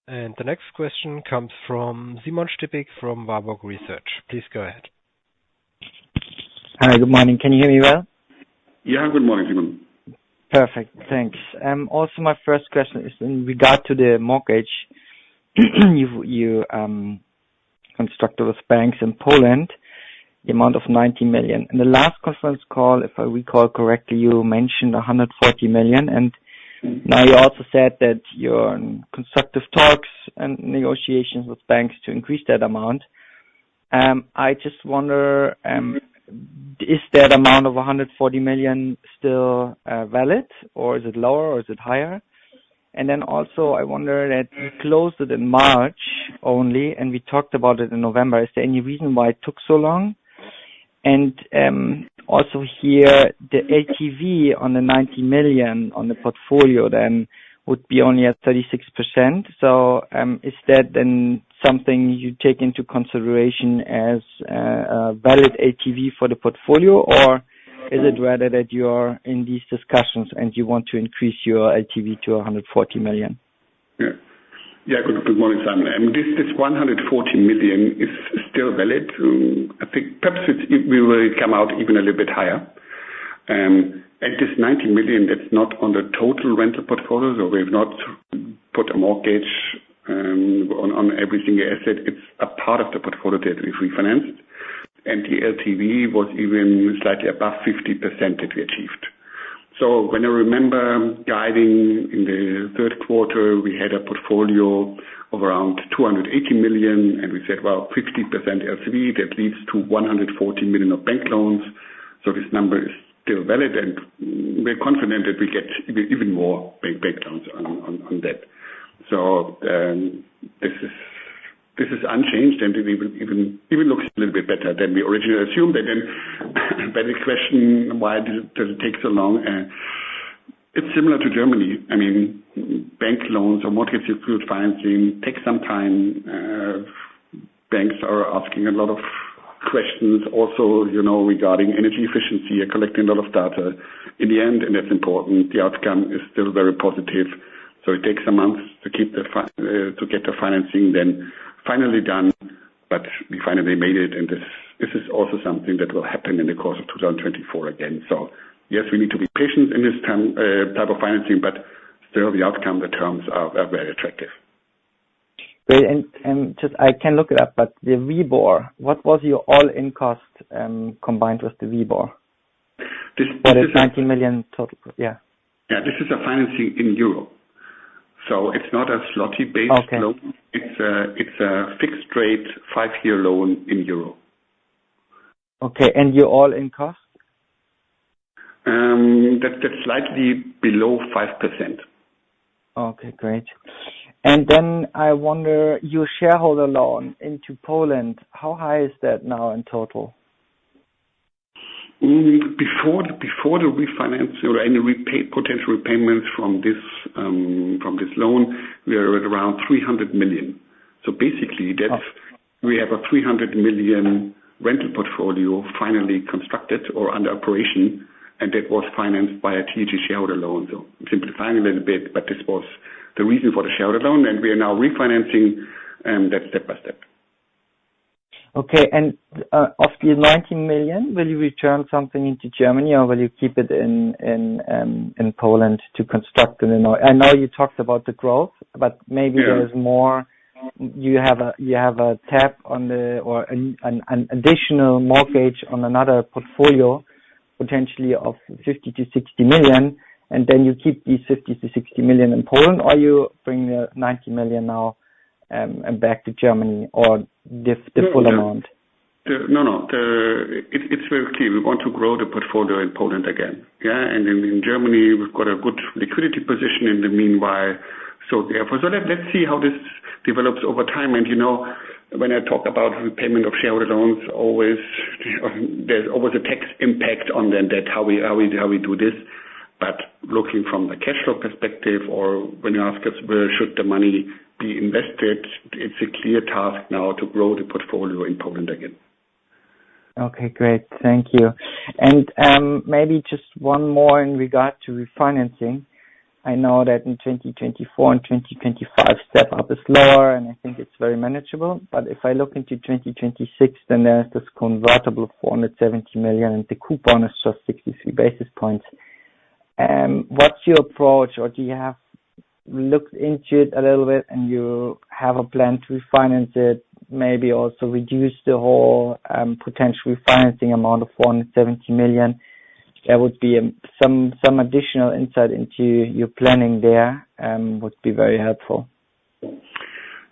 The next question comes from Simon Stippig, from Warburg Research. Please go ahead. Hi, good morning. Can you hear me well? Yeah. Good morning, Simon. Perfect. Thanks. Also my first question is in regard to the mortgage. You constructed with banks in Poland the amount of 90 million. In the last conference call, if I recall correctly, you mentioned 140 million, and now you also said that you're in constructive talks and negotiations with banks to increase that amount. I just wonder, is that amount of 140 million still valid, or is it lower, or is it higher? And then also, I wonder that you closed it in March only, and we talked about it in November. Is there any reason why it took so long? And also here, the LTV on the 90 million on the portfolio then would be only at 36%. Is that then something you take into consideration as a valid LTV for the portfolio, or is it rather that you are in these discussions and you want to increase your LTV to 140 million? Yeah. Yeah, good morning, Simon. This one hundred and forty million is still valid. I think perhaps it will come out even a little bit higher. And this ninety million, it's not on the total rental portfolio, so we've not put a mortgage on every single asset. It's a part of the portfolio that we've refinanced, and the LTV was even slightly above 50% that we achieved. So when I remember guiding in the third quarter, we had a portfolio of around two hundred and eighty million, and we said, well, 50% LTV, that leads to one hundred and forty million of bank loans. So this number is still valid, and we're confident that we get even more bank loans on that. So, this is unchanged, and it even looks a little bit better than we originally assumed. But then the question, why did it take so long? It's similar to Germany. I mean, bank loans or mortgage-secured financing takes some time. Banks are asking a lot of questions also, you know, regarding energy efficiency and collecting a lot of data. In the end, and that's important, the outcome is still very positive. So it takes a month to get the financing then finally done, but we finally made it, and this is also something that will happen in the course of 2024 again. So yes, we need to be patient in this type of financing, but still the outcome, the terms are very attractive. Just, I can look it up, but the WIBOR, what was your all-in cost combined with the WIBOR? This is. 19 million total. Yeah. Yeah, this is a financing in Euro. So it's not a zloty-based loan. Okay. It's a fixed rate, 5-year loan in euro. Okay, and your all-in cost? That's slightly below 5%. Okay, great. And then I wonder, your shareholder loan into Poland, how high is that now in total? Before the refinance or any repay, potential repayments from this loan, we are at around 300 million. So basically, that's—we have a 300 million rental portfolio finally constructed or under operation, and that was financed by a TAG shareholder loan. So simplifying a little bit, but this was the reason for the shareholder loan, and we are now refinancing that step by step. Okay. And, of the 90 million, will you return something into Germany or will you keep it in Poland to construct a new - I know you talked about the growth, but maybe- Yeah... there is more. You have a tap on the, or an additional mortgage on another portfolio, potentially of 50-60 million, and then you keep the 50-60 million in Poland, or you bring the 90 million now back to Germany, or the full amount? No, no. It's very clear. We want to grow the portfolio in Poland again, yeah. And then in Germany, we've got a good liquidity position in the meanwhile. So therefore, let's see how this develops over time. And, you know, when I talk about repayment of shareholder loans, always, there's always a tax impact on them, that how we do this. But looking from the cash flow perspective or when you ask us where should the money be invested, it's a clear task now to grow the portfolio in Poland again. Okay, great. Thank you. And, maybe just one more in regard to refinancing. I know that in 2024 and 2025, step up is lower, and I think it's very manageable. But if I look into 2026, then there's this convertible 470 million, the coupon is just 63 basis points. What's your approach, or do you have looked into it a little bit and you have a plan to refinance it, maybe also reduce the whole, potential refinancing amount of 470 million? That would be, some additional insight into your planning there, would be very helpful.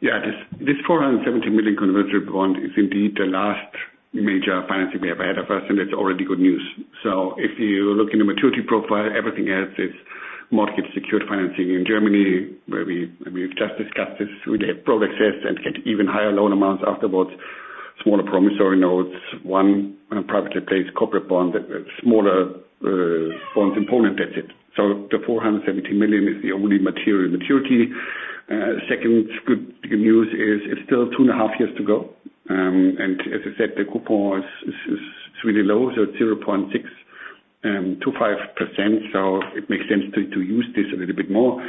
Yeah, this, this 470 million convertible bond is indeed the last major financing we have ahead of us, and it's already good news. So if you look in the maturity profile, everything else is mortgage-secured financing in Germany, where we, we've just discussed this, we have broad access and get even higher loan amounts afterwards. Smaller promissory notes, one privately placed corporate bond, smaller bonds in Poland, that's it. So the 470 million is the only material maturity. Second good news is, it's still two and a half years to go. And as I said, the coupon is really low, so 0.625%, so it makes sense to use this a little bit more.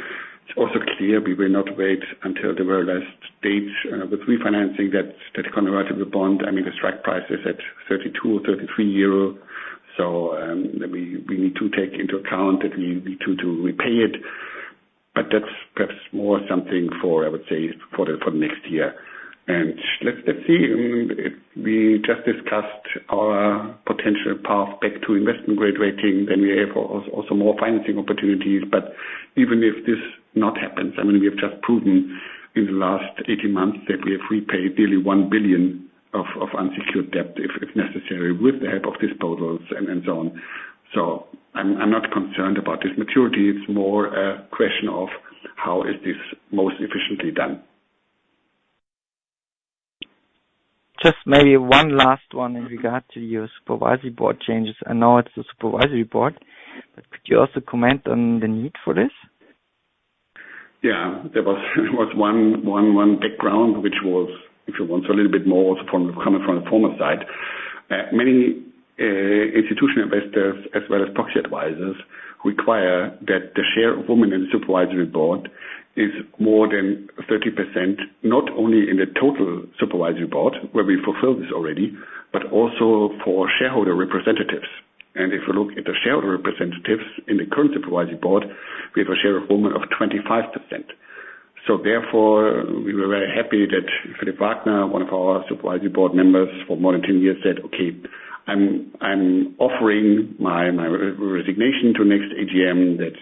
It's also clear we will not wait until the very last date with refinancing that convertible bond. I mean, the strike price is at 32 or 33 euro. So, we need to take into account that we need to repay it. But that's perhaps more something for, I would say, for next year. And let's see, I mean, if we just discussed our potential path back to investment-grade rating, then we have also more financing opportunities. But even if this not happens, I mean, we have just proven in the last 18 months that we have repaid nearly 1 billion of unsecured debt, if necessary, with the help of disposals and so on. So I'm not concerned about this maturity. It's more a question of how is this most efficiently done. Just maybe one last one in regard to your supervisory board changes. I know it's a supervisory board, but could you also comment on the need for this? Yeah, there was one background, which was, if you want a little bit more also from the coming from the former side. Many institutional investors, as well as proxy advisors, require that the share of women in the supervisory board is more than 30%, not only in the total supervisory board, where we fulfilled this already, but also for shareholder representatives. And if you look at the shareholder representatives in the current supervisory board, we have a share of women of 25%. So therefore, we were very happy that Philipp Wagner, one of our supervisory board members for more than 10 years, said, "Okay, I'm offering my resignation to next AGM, that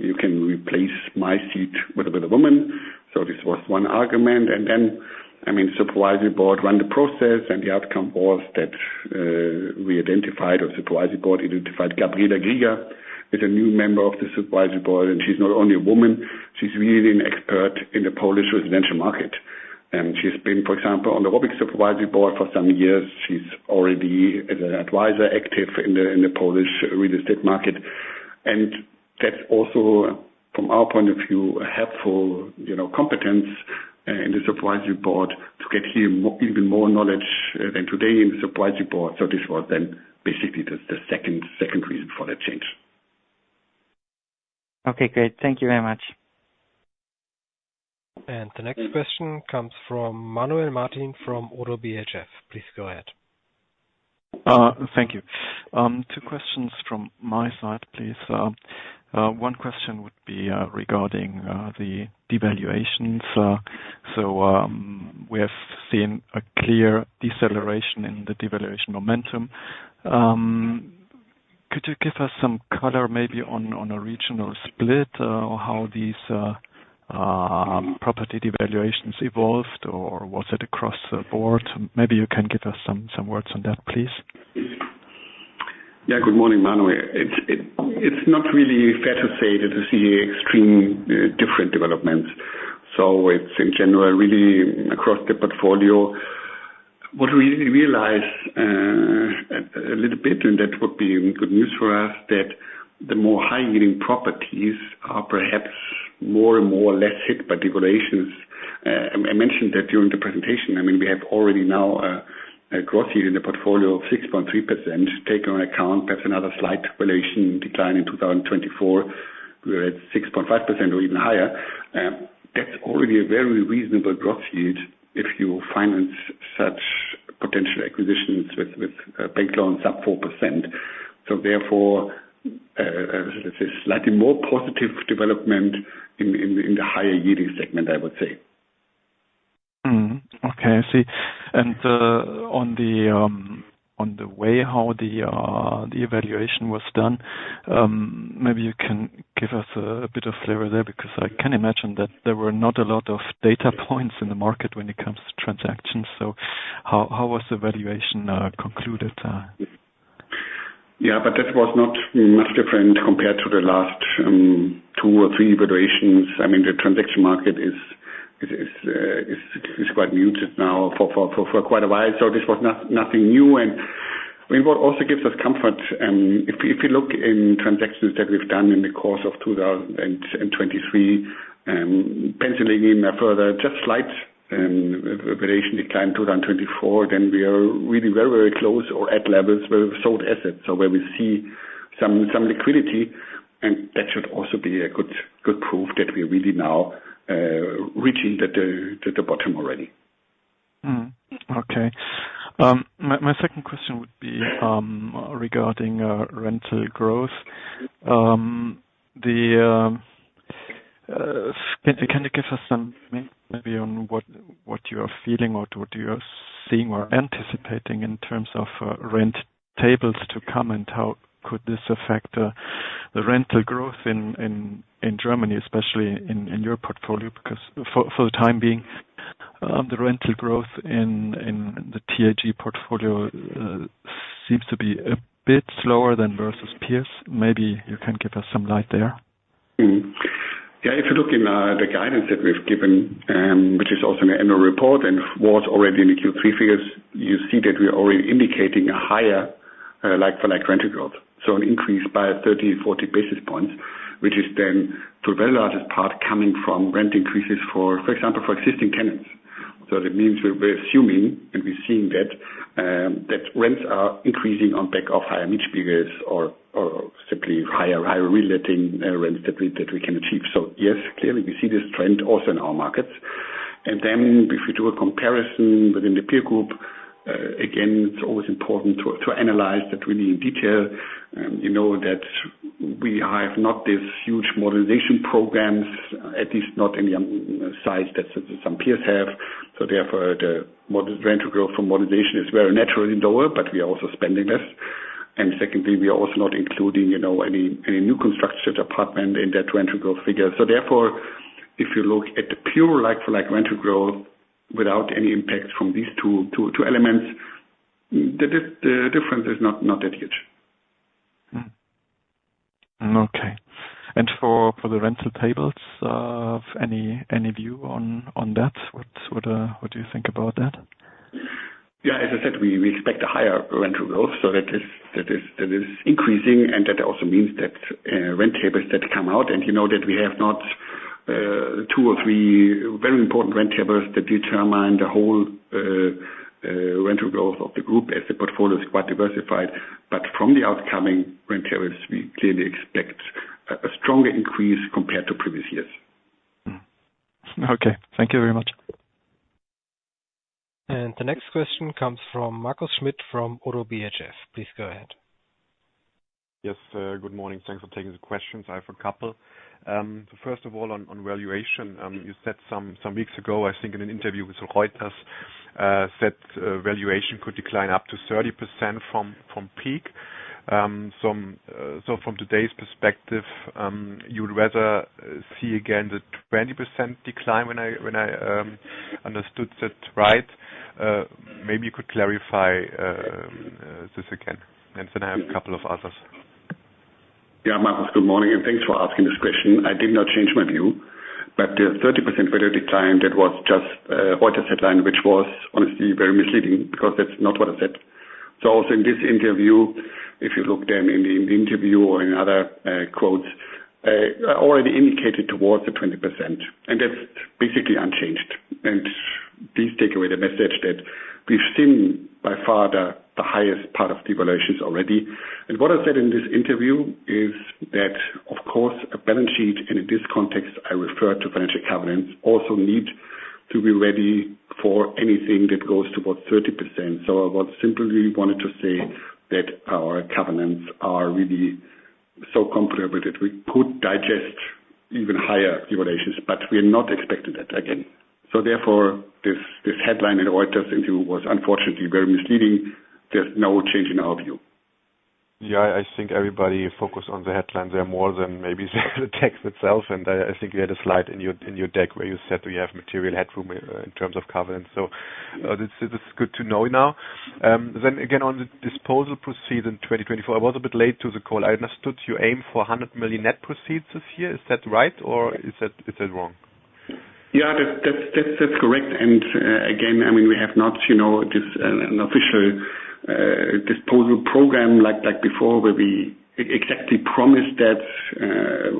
you can replace my seat with a woman." So this was one argument, and then, I mean, supervisory board ran the process, and the outcome was that we identified, or supervisory board identified Gabriela Grygiel as a new member of the supervisory board. And she's not only a woman, she's really an expert in the Polish residential market.... And she's been, for example, on the ROBYG Supervisory Board for some years. She's already as an advisor, active in the, in the Polish real estate market. That's also, from our point of view, a helpful, you know, competence in the supervisory board, to get here even more knowledge than today in the supervisory board. So this was then basically the second reason for that change. Okay, great. Thank you very much. The next question comes from Manuel Martin from ODDO BHF. Please go ahead. Thank you. Two questions from my side, please. One question would be regarding the devaluations. So, we have seen a clear deceleration in the devaluation momentum. Could you give us some color, maybe on a regional split, or how these property devaluations evolved? Or was it across the board? Maybe you can give us some words on that, please. Yeah. Good morning, Manuel. It's not really fair to say that you see extreme different developments. So it's in general, really across the portfolio. What we realize, a little bit, and that would be good news for us, that the more high-yielding properties are perhaps more and more less hit by devaluations. I mentioned that during the presentation. I mean, we have already now a growth yield in the portfolio of 6.3%. Take into account, that's another slight valuation decline in 2024. We're at 6.5% or even higher. That's already a very reasonable growth yield if you finance such potential acquisitions with bank loans up 4%. So therefore, there's a slightly more positive development in the higher-yielding segment, I would say. Mm-hmm. Okay, I see. And on the way how the valuation was done, maybe you can give us a bit of flavor there, because I can imagine that there were not a lot of data points in the market when it comes to transactions. So how was the valuation concluded? Yeah, but that was not much different compared to the last two or three evaluations. I mean, the transaction market is quite muted now for quite a while, so this was nothing new. And I mean, what also gives us comfort, if you look in transactions that we've done in the course of 2023, penciling in a further just slight valuation decline, 2024, then we are really very, very close, or at levels where we've sold assets. So where we see some liquidity, and that should also be a good proof that we're really now reaching the bottom already. Okay. My second question would be, regarding rental growth. Can you give us some maybe on what you are feeling or what you are seeing or anticipating in terms of rent tables to come, and how could this affect the rental growth in Germany, especially in your portfolio? Because for the time being, the rental growth in the TAG portfolio seems to be a bit slower than versus peers. Maybe you can give us some light there. Yeah, if you look in the guidance that we've given, which is also in the annual report and was already in the Q3 figures, you see that we are already indicating a higher like-for-like rental growth. So an increase by 30-40 basis points, which is then to a very largest part coming from rent increases for, for example, for existing tenants. So that means we're assuming, and we're seeing that rents are increasing on back of higher index figures or simply higher reletting rents that we can achieve. So yes, clearly, we see this trend also in our markets. And then if you do a comparison within the peer group, again, it's always important to analyze that really in detail. You know, that we have not this huge modernization programs, at least not in the size that some peers have. Therefore, the modernization rental growth from modernization is very naturally lower, but we are also spending less. Secondly, we are also not including, you know, any new construction apartment in that rental growth figure. Therefore, if you look at the pure, like-for-like rental growth, without any impact from these two elements, the difference is not that huge. Mm. Okay. And for the rental tables, any view on that? What do you think about that? Yeah, as I said, we expect a higher rental growth, so that is increasing, and that also means that rent tables that come out, and you know, that we have not two or three very important rent tables that determine the whole rental growth of the group, as the portfolio is quite diversified. But from the upcoming rent tables, we clearly expect a stronger increase compared to previous years. Mm. Okay, thank you very much. The next question comes from Marco Schmidt, from ODDO BHF. Please go ahead. Yes, good morning. Thanks for taking the questions. I have a couple. First of all, on valuation, you said some weeks ago, I think in an interview with Reuters, valuation could decline up to 30% from peak. So from today's perspective, you'd rather see again the 20% decline, when I understood that, right? Maybe you could clarify this again, and then I have a couple of others. ... Yeah, Marcus, good morning, and thanks for asking this question. I did not change my view, but the 30% validity decline, that was just Reuters headline, which was honestly very misleading, because that's not what I said. So also in this interview, if you look then in the interview or in other quotes, I already indicated towards the 20%, and that's basically unchanged. Please take away the message that we've seen by far the highest part of devaluations already. What I said in this interview is that, of course, a balance sheet, and in this context, I refer to financial covenants, also need to be ready for anything that goes towards 30%. So what I simply wanted to say, that our covenants are really so comfortable that we could digest even higher devaluations, but we're not expecting that again. So therefore, this headline in the Reuters interview was unfortunately very misleading. There's no change in our view. Yeah, I think everybody focused on the headline there more than maybe the text itself. And I, I think you had a slide in your, in your deck where you said we have material headroom in, in terms of covenants. So, this is good to know now. Then again, on the disposal proceeds in 2024, I was a bit late to the call. I understood you aim for 100 million net proceeds this year. Is that right, or is that, is that wrong? Yeah, that's correct. And again, I mean, we have not, you know, just an official disposal program like before, where we exactly promised that,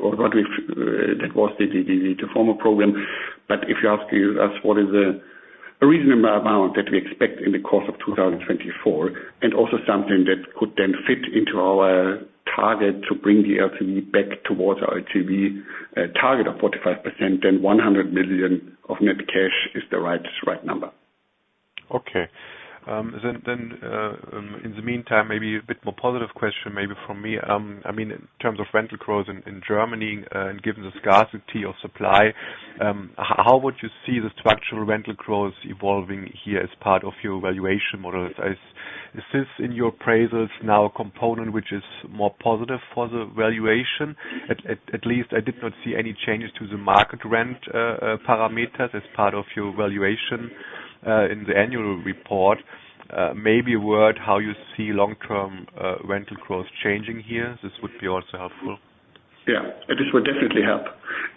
or what we've, that was the former program. But if you ask us what is a reasonable amount that we expect in the course of 2024, and also something that could then fit into our target to bring the LTV back towards our LTV target of 45%, then 100 million of net cash is the right number. Okay. Then, then, in the meantime, maybe a bit more positive question maybe from me. I mean, in terms of rental growth in, in Germany, how would you see the structural rental growth evolving here as part of your valuation model? Is, is this in your appraisals now a component which is more positive for the valuation? At, at, at least I did not see any changes to the market rent parameters as part of your valuation, in the annual report. Maybe word how you see long-term, rental growth changing here, this would be also helpful. Yeah, this would definitely help.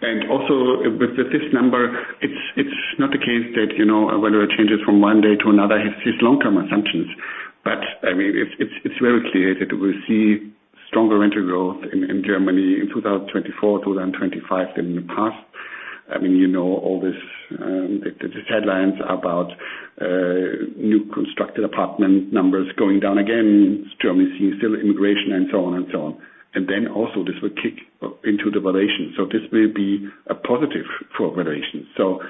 And also with this number, it's not the case that, you know, a rental changes from one day to another, it's long-term assumptions. But, I mean, it's very clear that we'll see stronger rental growth in Germany in 2024, 2025 than in the past. I mean, you know, all this, the headlines about new constructed apartment numbers going down again. Germany seeing still immigration and so on and so on. And then also this will kick into the valuation. So this may be a positive for valuation. So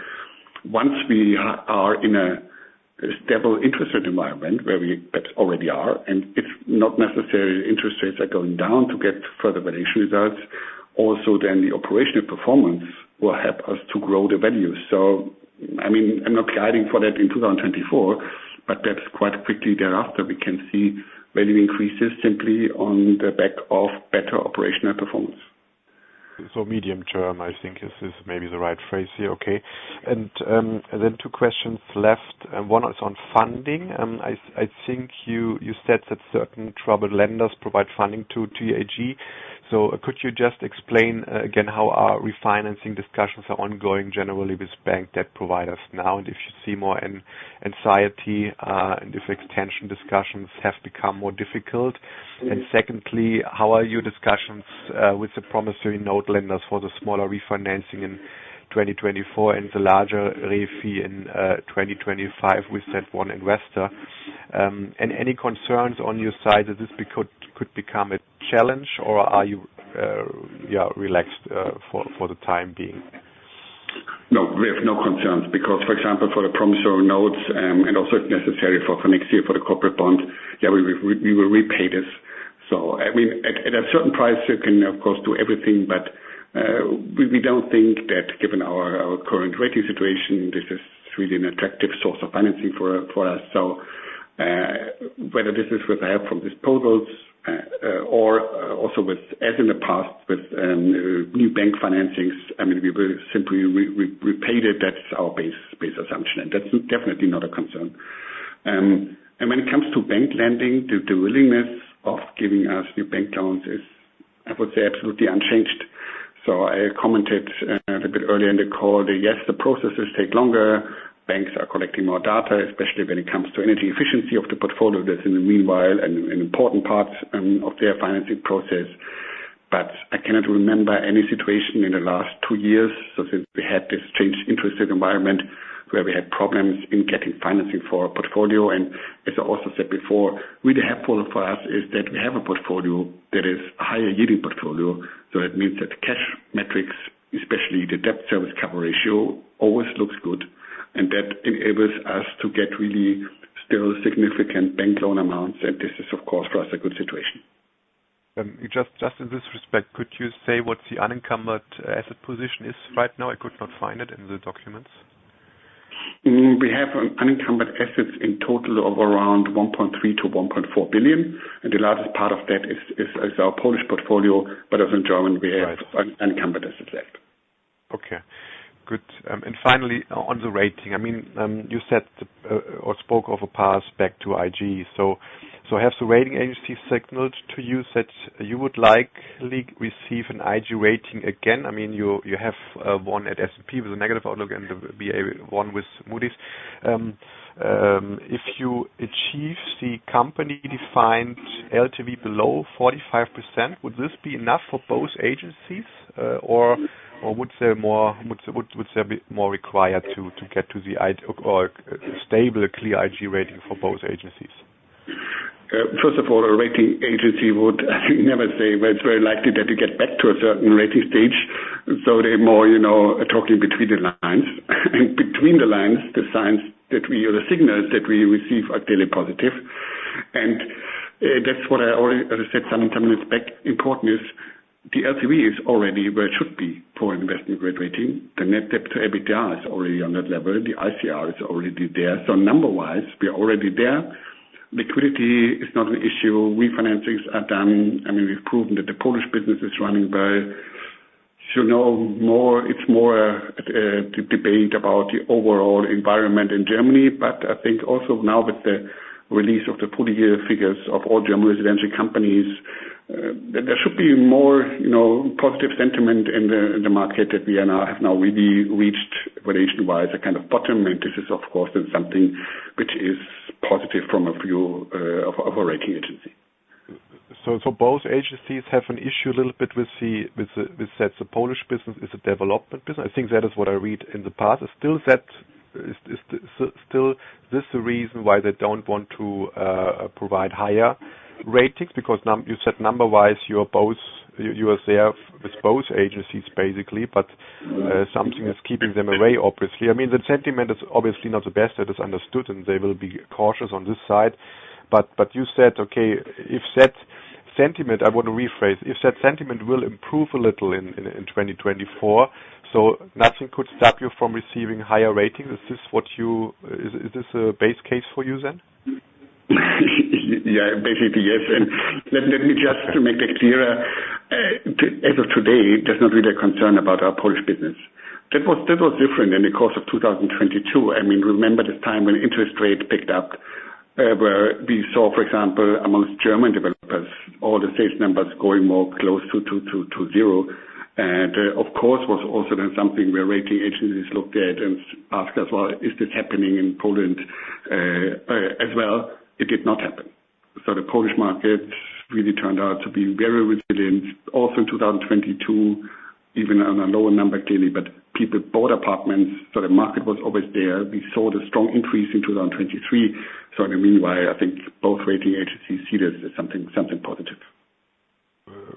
once we are in a stable interest rate environment, where we at already are, and it's not necessary, interest rates are going down to get further valuation results, also, then the operational performance will help us to grow the value. So I mean, I'm not planning for that in 2024, but that's quite quickly thereafter, we can see value increases simply on the back of better operational performance. So medium term, I think is maybe the right phrase here. Okay. And then two questions left, and one is on funding. I think you said that certain troubled lenders provide funding to TAG. So could you just explain again how our refinancing discussions are ongoing generally with bank debt providers now, and if you see more anxiety, and if extension discussions have become more difficult? And secondly, how are your discussions with the promissory note lenders for the smaller refinancing in 2024 and the larger refi in 2025 with that one investor? And any concerns on your side that this could become a challenge, or are you yeah relaxed for the time being? No, we have no concerns because, for example, for the promissory notes, and also if necessary for next year, for the corporate bonds, yeah, we will repay this. So, I mean, at a certain price, you can of course do everything, but, we don't think that given our current rating situation, this is really an attractive source of financing for us. So, whether this is with the help from disposals, or also with, as in the past, with new bank financings, I mean, we will simply repay it. That's our base assumption, and that's definitely not a concern. And when it comes to bank lending, the willingness of giving us new bank loans is, I would say, absolutely unchanged. So I commented a bit earlier in the call that, yes, the processes take longer. Banks are collecting more data, especially when it comes to energy efficiency of the portfolio. That's in the meanwhile an important part of their financing process. But I cannot remember any situation in the last two years, so since we had this changed interest rate environment, where we had problems in getting financing for our portfolio. And as I also said before, really helpful for us is that we have a portfolio that is a higher-yielding portfolio. So that means that the cash metrics, especially the debt service cover ratio, always looks good, and that enables us to get really still significant bank loan amounts, and this is, of course, for us, a good situation. Just in this respect, could you say what the unencumbered asset position is right now? I could not find it in the documents. We have unencumbered assets in total of around 1.3 billion-1.4 billion, and the largest part of that is our Polish portfolio, but as in Germany, we have unencumbered assets left.... Okay, good. And finally, on the rating, I mean, you said, or spoke of a path back to IG. So, has the rating agency signaled to you that you would likely receive an IG rating again? I mean, you have one at S&P with a negative outlook, and there will be a one with Moody's. If you achieve the company-defined LTV below 45%, would this be enough for both agencies, or would there be more required to get to the IG or stable, a clear IG rating for both agencies? First of all, a rating agency would never say, but it's very likely that you get back to a certain rating stage. So they're more, you know, talking between the lines. And between the lines, the signs that we, or the signals that we receive are clearly positive. And that's what I already said some minutes back. Important is the LTV is already where it should be for investment-grade rating. The net debt to EBITDA is already on that level. The ICR is already there. So number-wise, we are already there. Liquidity is not an issue. Refinancings are done. I mean, we've proven that the Polish business is running well. So no more. It's more debate about the overall environment in Germany. But I think also now with the release of the full year figures of all German residential companies, there should be more, you know, positive sentiment in the market that we have now really reached relation-wise, a kind of bottom. And this, of course, is something which is positive from a view of a rating agency. So, both agencies have an issue a little bit with the fact that the Polish business is a development business. I think that is what I read in the past. Is that still the reason why they don't want to provide higher ratings? Because number-wise, you said you are there with both agencies, basically, but something is keeping them away, obviously. I mean, the sentiment is obviously not the best. That is understood, and they will be cautious on this side. But you said, okay, if that sentiment. I want to rephrase. If that sentiment will improve a little in 2024, so nothing could stop you from receiving higher ratings. Is this what you said? Is this a base case for you then? Yeah, basically, yes. And let me just to make that clearer, as of today, there's not really a concern about our Polish business. That was different in the course of 2022. I mean, remember the time when interest rates picked up, where we saw, for example, amongst German developers, all the sales numbers going more close to zero. And, of course, was also then something where rating agencies looked at and asked us, "Well, is this happening in Poland as well?" It did not happen. So the Polish market really turned out to be very resilient, also in 2022, even on a lower number clearly. But people bought apartments, so the market was always there. We saw the strong increase in 2023. In the meanwhile, I think both rating agencies see this as something, something positive.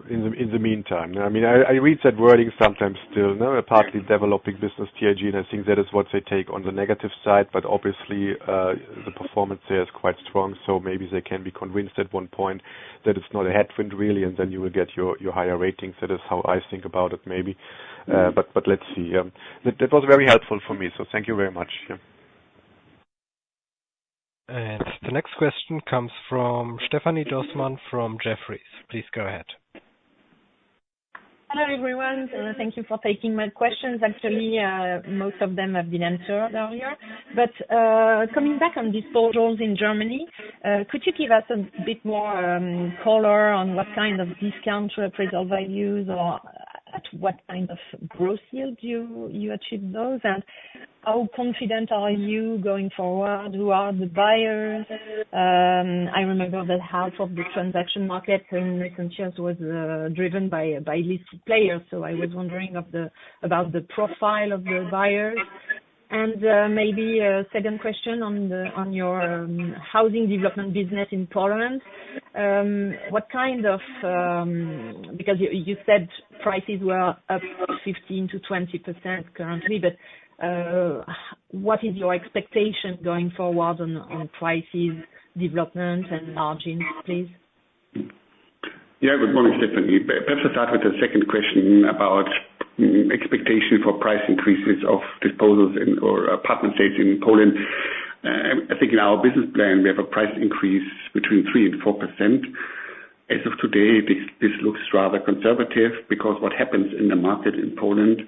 In the meantime, I mean, I read that wording sometimes still, you know, a partly developing business, TAG, and I think that is what they take on the negative side. But obviously, the performance there is quite strong, so maybe they can be convinced at one point that it's not a headwind, really, and then you will get your higher ratings. That is how I think about it, maybe. But let's see. That was very helpful for me, so thank you very much. The next question comes from Stephanie Dossmann from Jefferies. Please go ahead. Hello, everyone, thank you for taking my questions. Actually, most of them have been answered earlier. But, coming back on disposals in Germany, could you give us a bit more color on what kind of discount to appraisal values, or at what kind of gross yield you achieve those? And how confident are you going forward? Who are the buyers? I remember that half of the transaction market in recent years was driven by listed players. So I was wondering about the profile of the buyers. And, maybe a second question on your housing development business in Poland. What kind of... Because you said prices were up 15%-20% currently, but, what is your expectation going forward on prices, development, and margins, please? Yeah, good morning, Stephanie. Better start with the second question about expectation for price increases of disposals and/or apartment sales in Poland. I think in our business plan, we have a price increase between 3%-4%. As of today, this looks rather conservative, because what happens in the market in Poland,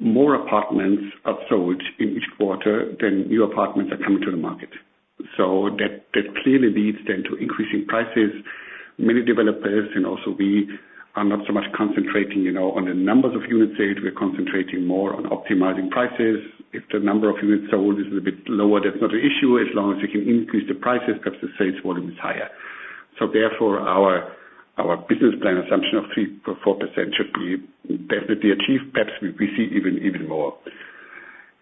more apartments are sold in each quarter than new apartments are coming to the market. So that clearly leads then to increasing prices. Many developers, and also we, are not so much concentrating, you know, on the numbers of unit sales. We're concentrating more on optimizing prices. If the number of units sold is a bit lower, that's not an issue, as long as you can increase the prices, because the sales volume is higher. So therefore, our business plan assumption of 3%-4% should be definitely achieved. Perhaps we see even more.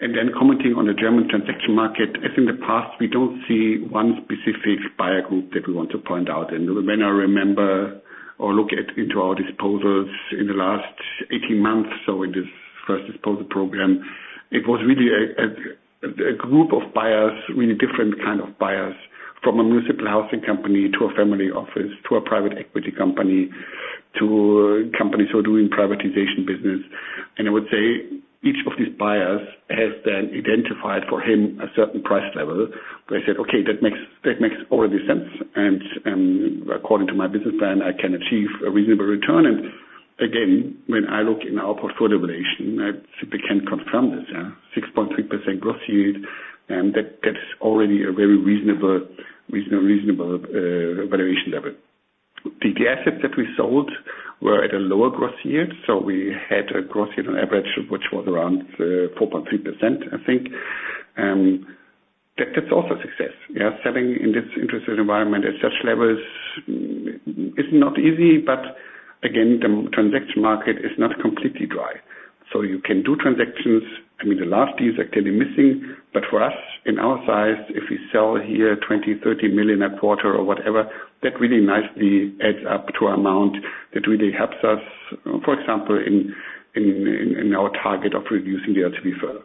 And then commenting on the German transaction market, as in the past, we don't see one specific buyer group that we want to point out. And when I remember or look into our disposals in the last 18 months, so in this first disposal program, it was really a group of buyers, really different kind of buyers, from a municipal housing company to a family office, to a private equity company, to companies who are doing privatization business. And I would say-... Each of these buyers has then identified for him a certain price level, where he said, "Okay, that makes, that makes already sense, and according to my business plan, I can achieve a reasonable return." Again, when I look in our portfolio relation, I simply can confirm this, yeah, 6.3% gross yield, and that, that's already a very reasonable, reasonable, reasonable valuation level. The assets that we sold were at a lower gross yield, so we had a gross yield on average, which was around four point three percent, I think. That's also a success. Yeah, selling in this interest environment at such levels is not easy, but again, the transaction market is not completely dry. So you can do transactions. I mean, the last deals are clearly missing, but for us, in our size, if we sell here 20-30 million a quarter or whatever, that really nicely adds up to amount that really helps us, for example, in our target of reducing the LTV further.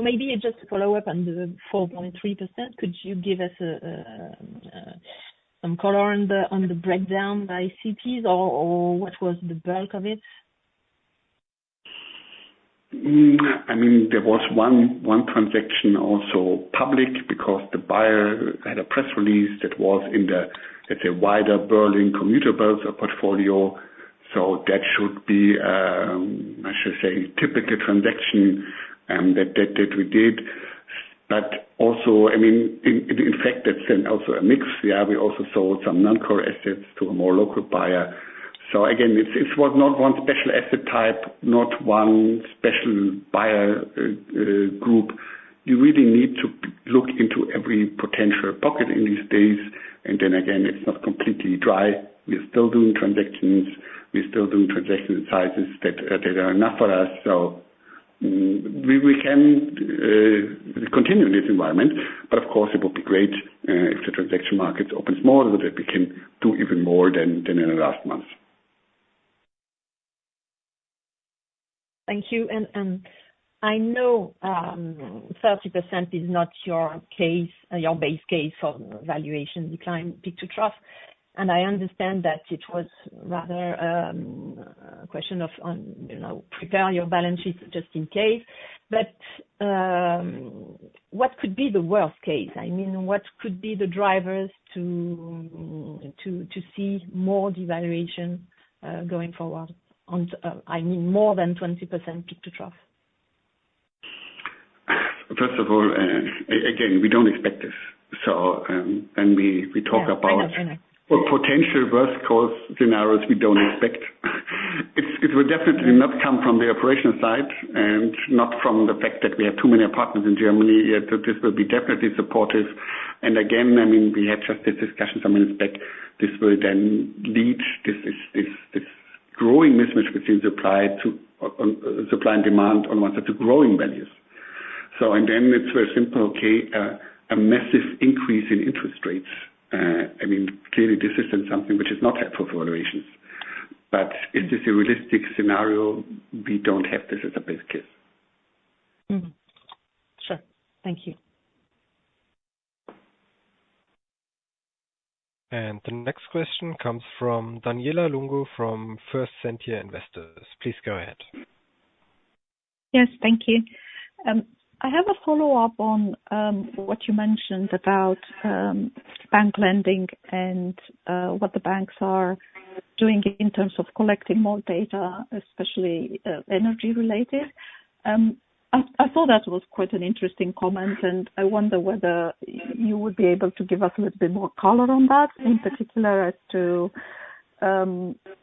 Maybe just to follow up on the 4.3%, could you give us some color on the breakdown by cities or what was the bulk of it? I mean, there was one, one transaction also public, because the buyer had a press release that was in the, it's a wider Berlin commuter belt portfolio. So that should be, I should say, typical transaction, that, that, that we did. But also, I mean, in, in fact, that's then also a mix. Yeah, we also sold some non-core assets to a more local buyer. So again, it's, it's what not one special asset type, not one special buyer, group. You really need to look into every potential pocket in these days. And then again, it's not completely dry. We're still doing transactions, we're still doing transaction sizes that, that are enough for us. So, we can continue in this environment, but of course, it would be great if the transaction market opens more, so that we can do even more than in the last months. Thank you. And I know 30% is not your case, your base case for valuation decline, peak to trough. And I understand that it was rather a question of, you know, prepare your balance sheet just in case. But what could be the worst case? I mean, what could be the drivers to see more devaluation going forward on, I mean, more than 20% peak to trough? First of all, again, we don't expect this. So, and we talk about- Yeah. I know, I know. Potential worst-case scenarios we don't expect. It will definitely not come from the operational side, and not from the fact that we have too many apartments in Germany. Yeah, this will be definitely supportive. And again, I mean, we had just this discussion some minutes back, this will then lead to growing mismatch between supply and demand on one side, to growing values. And then it's very simple, okay, a massive increase in interest rates. I mean, clearly this isn't something which is not helpful for valuations. But is this a realistic scenario? We don't have this as a base case. Mm-hmm. Sure. Thank you. The next question comes from Daniela Lungu, from First Sentier Investors. Please go ahead. Yes, thank you. I have a follow-up on what you mentioned about bank lending and what the banks are doing in terms of collecting more data, especially energy-related. I thought that was quite an interesting comment, and I wonder whether you would be able to give us a little bit more color on that, in particular as to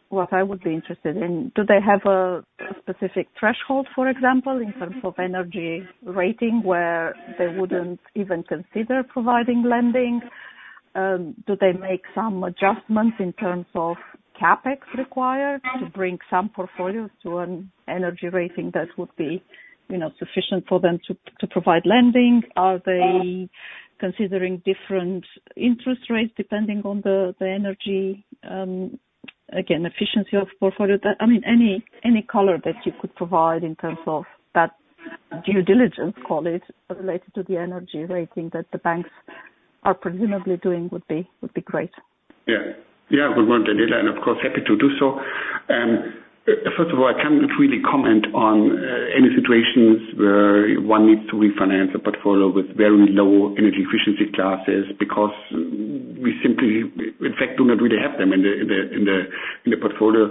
what I would be interested in. Do they have a specific threshold, for example, in terms of energy rating, where they wouldn't even consider providing lending? Do they make some adjustments in terms of CapEx required to bring some portfolios to an energy rating that would be, you know, sufficient for them to provide lending? Are they considering different interest rates, depending on the energy, again, efficiency of portfolio? I mean, any, any color that you could provide in terms of that due diligence, call it, related to the energy rating that the banks are presumably doing, would be, would be great. Yeah. Yeah, we want Daniela, and of course, happy to do so. First of all, I cannot really comment on any situations where one needs to refinance a portfolio with very low energy efficiency classes, because we simply, in fact, do not really have them in the portfolio.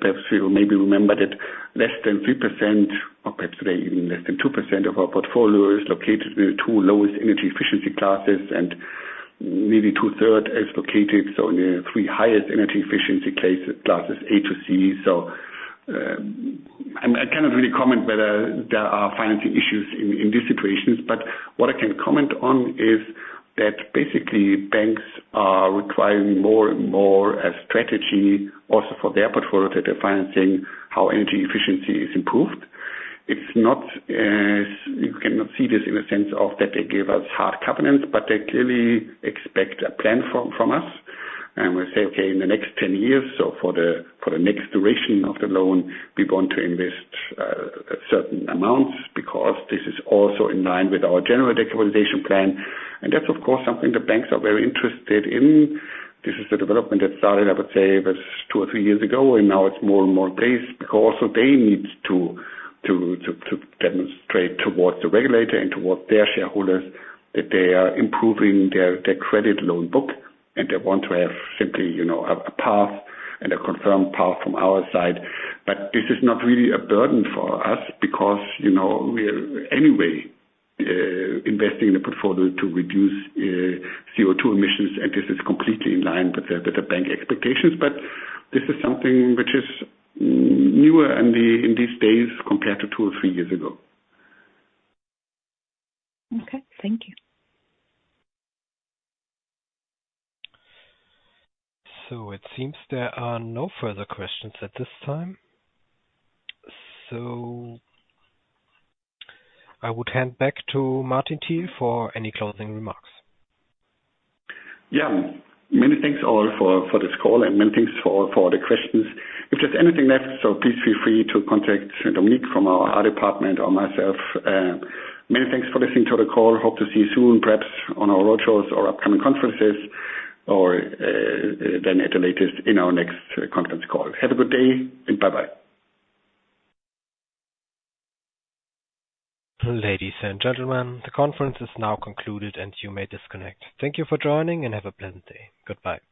Perhaps you maybe remember that less than 3%, or perhaps today, even less than 2% of our portfolio is located in the two lowest energy efficiency classes, and maybe two-thirds is located in the three highest energy efficiency classes A to C. And I cannot really comment whether there are financing issues in these situations, but what I can comment on is that basically, banks are requiring more and more a strategy also for their portfolio that they're financing how energy efficiency is improved. It's not, you cannot see this in the sense of that they give us hard covenants, but they clearly expect a plan from us. And we say, "Okay, in the next 10 years, so for the next duration of the loan, we're going to invest a certain amount, because this is also in line with our general decarbonization plan." And that's, of course, something the banks are very interested in. This is the development that started, I would say, about 2 or 3 years ago, and now it's more and more paced, because also they need to demonstrate towards the regulator and towards their shareholders, that they are improving their credit loan book, and they want to have simply, you know, a path and a confirmed path from our side. This is not really a burden for us because, you know, we are anyway investing in the portfolio to reduce CO2 emissions, and this is completely in line with the bank expectations. This is something which is newer in these days, compared to two or three years ago. Okay, thank you. It seems there are no further questions at this time. I would hand back to Martin Thiel for any closing remarks. Yeah. Many thanks all for this call and many thanks for the questions. If there's anything left, so please feel free to contact Dominique Mann from our IR department or myself. Many thanks for listening to the call. Hope to see you soon, perhaps on our roadshows or upcoming conferences, or then at the latest in our next conference call. Have a good day, and bye-bye. Ladies and gentlemen, the conference is now concluded and you may disconnect. Thank you for joining and have a pleasant day. Goodbye.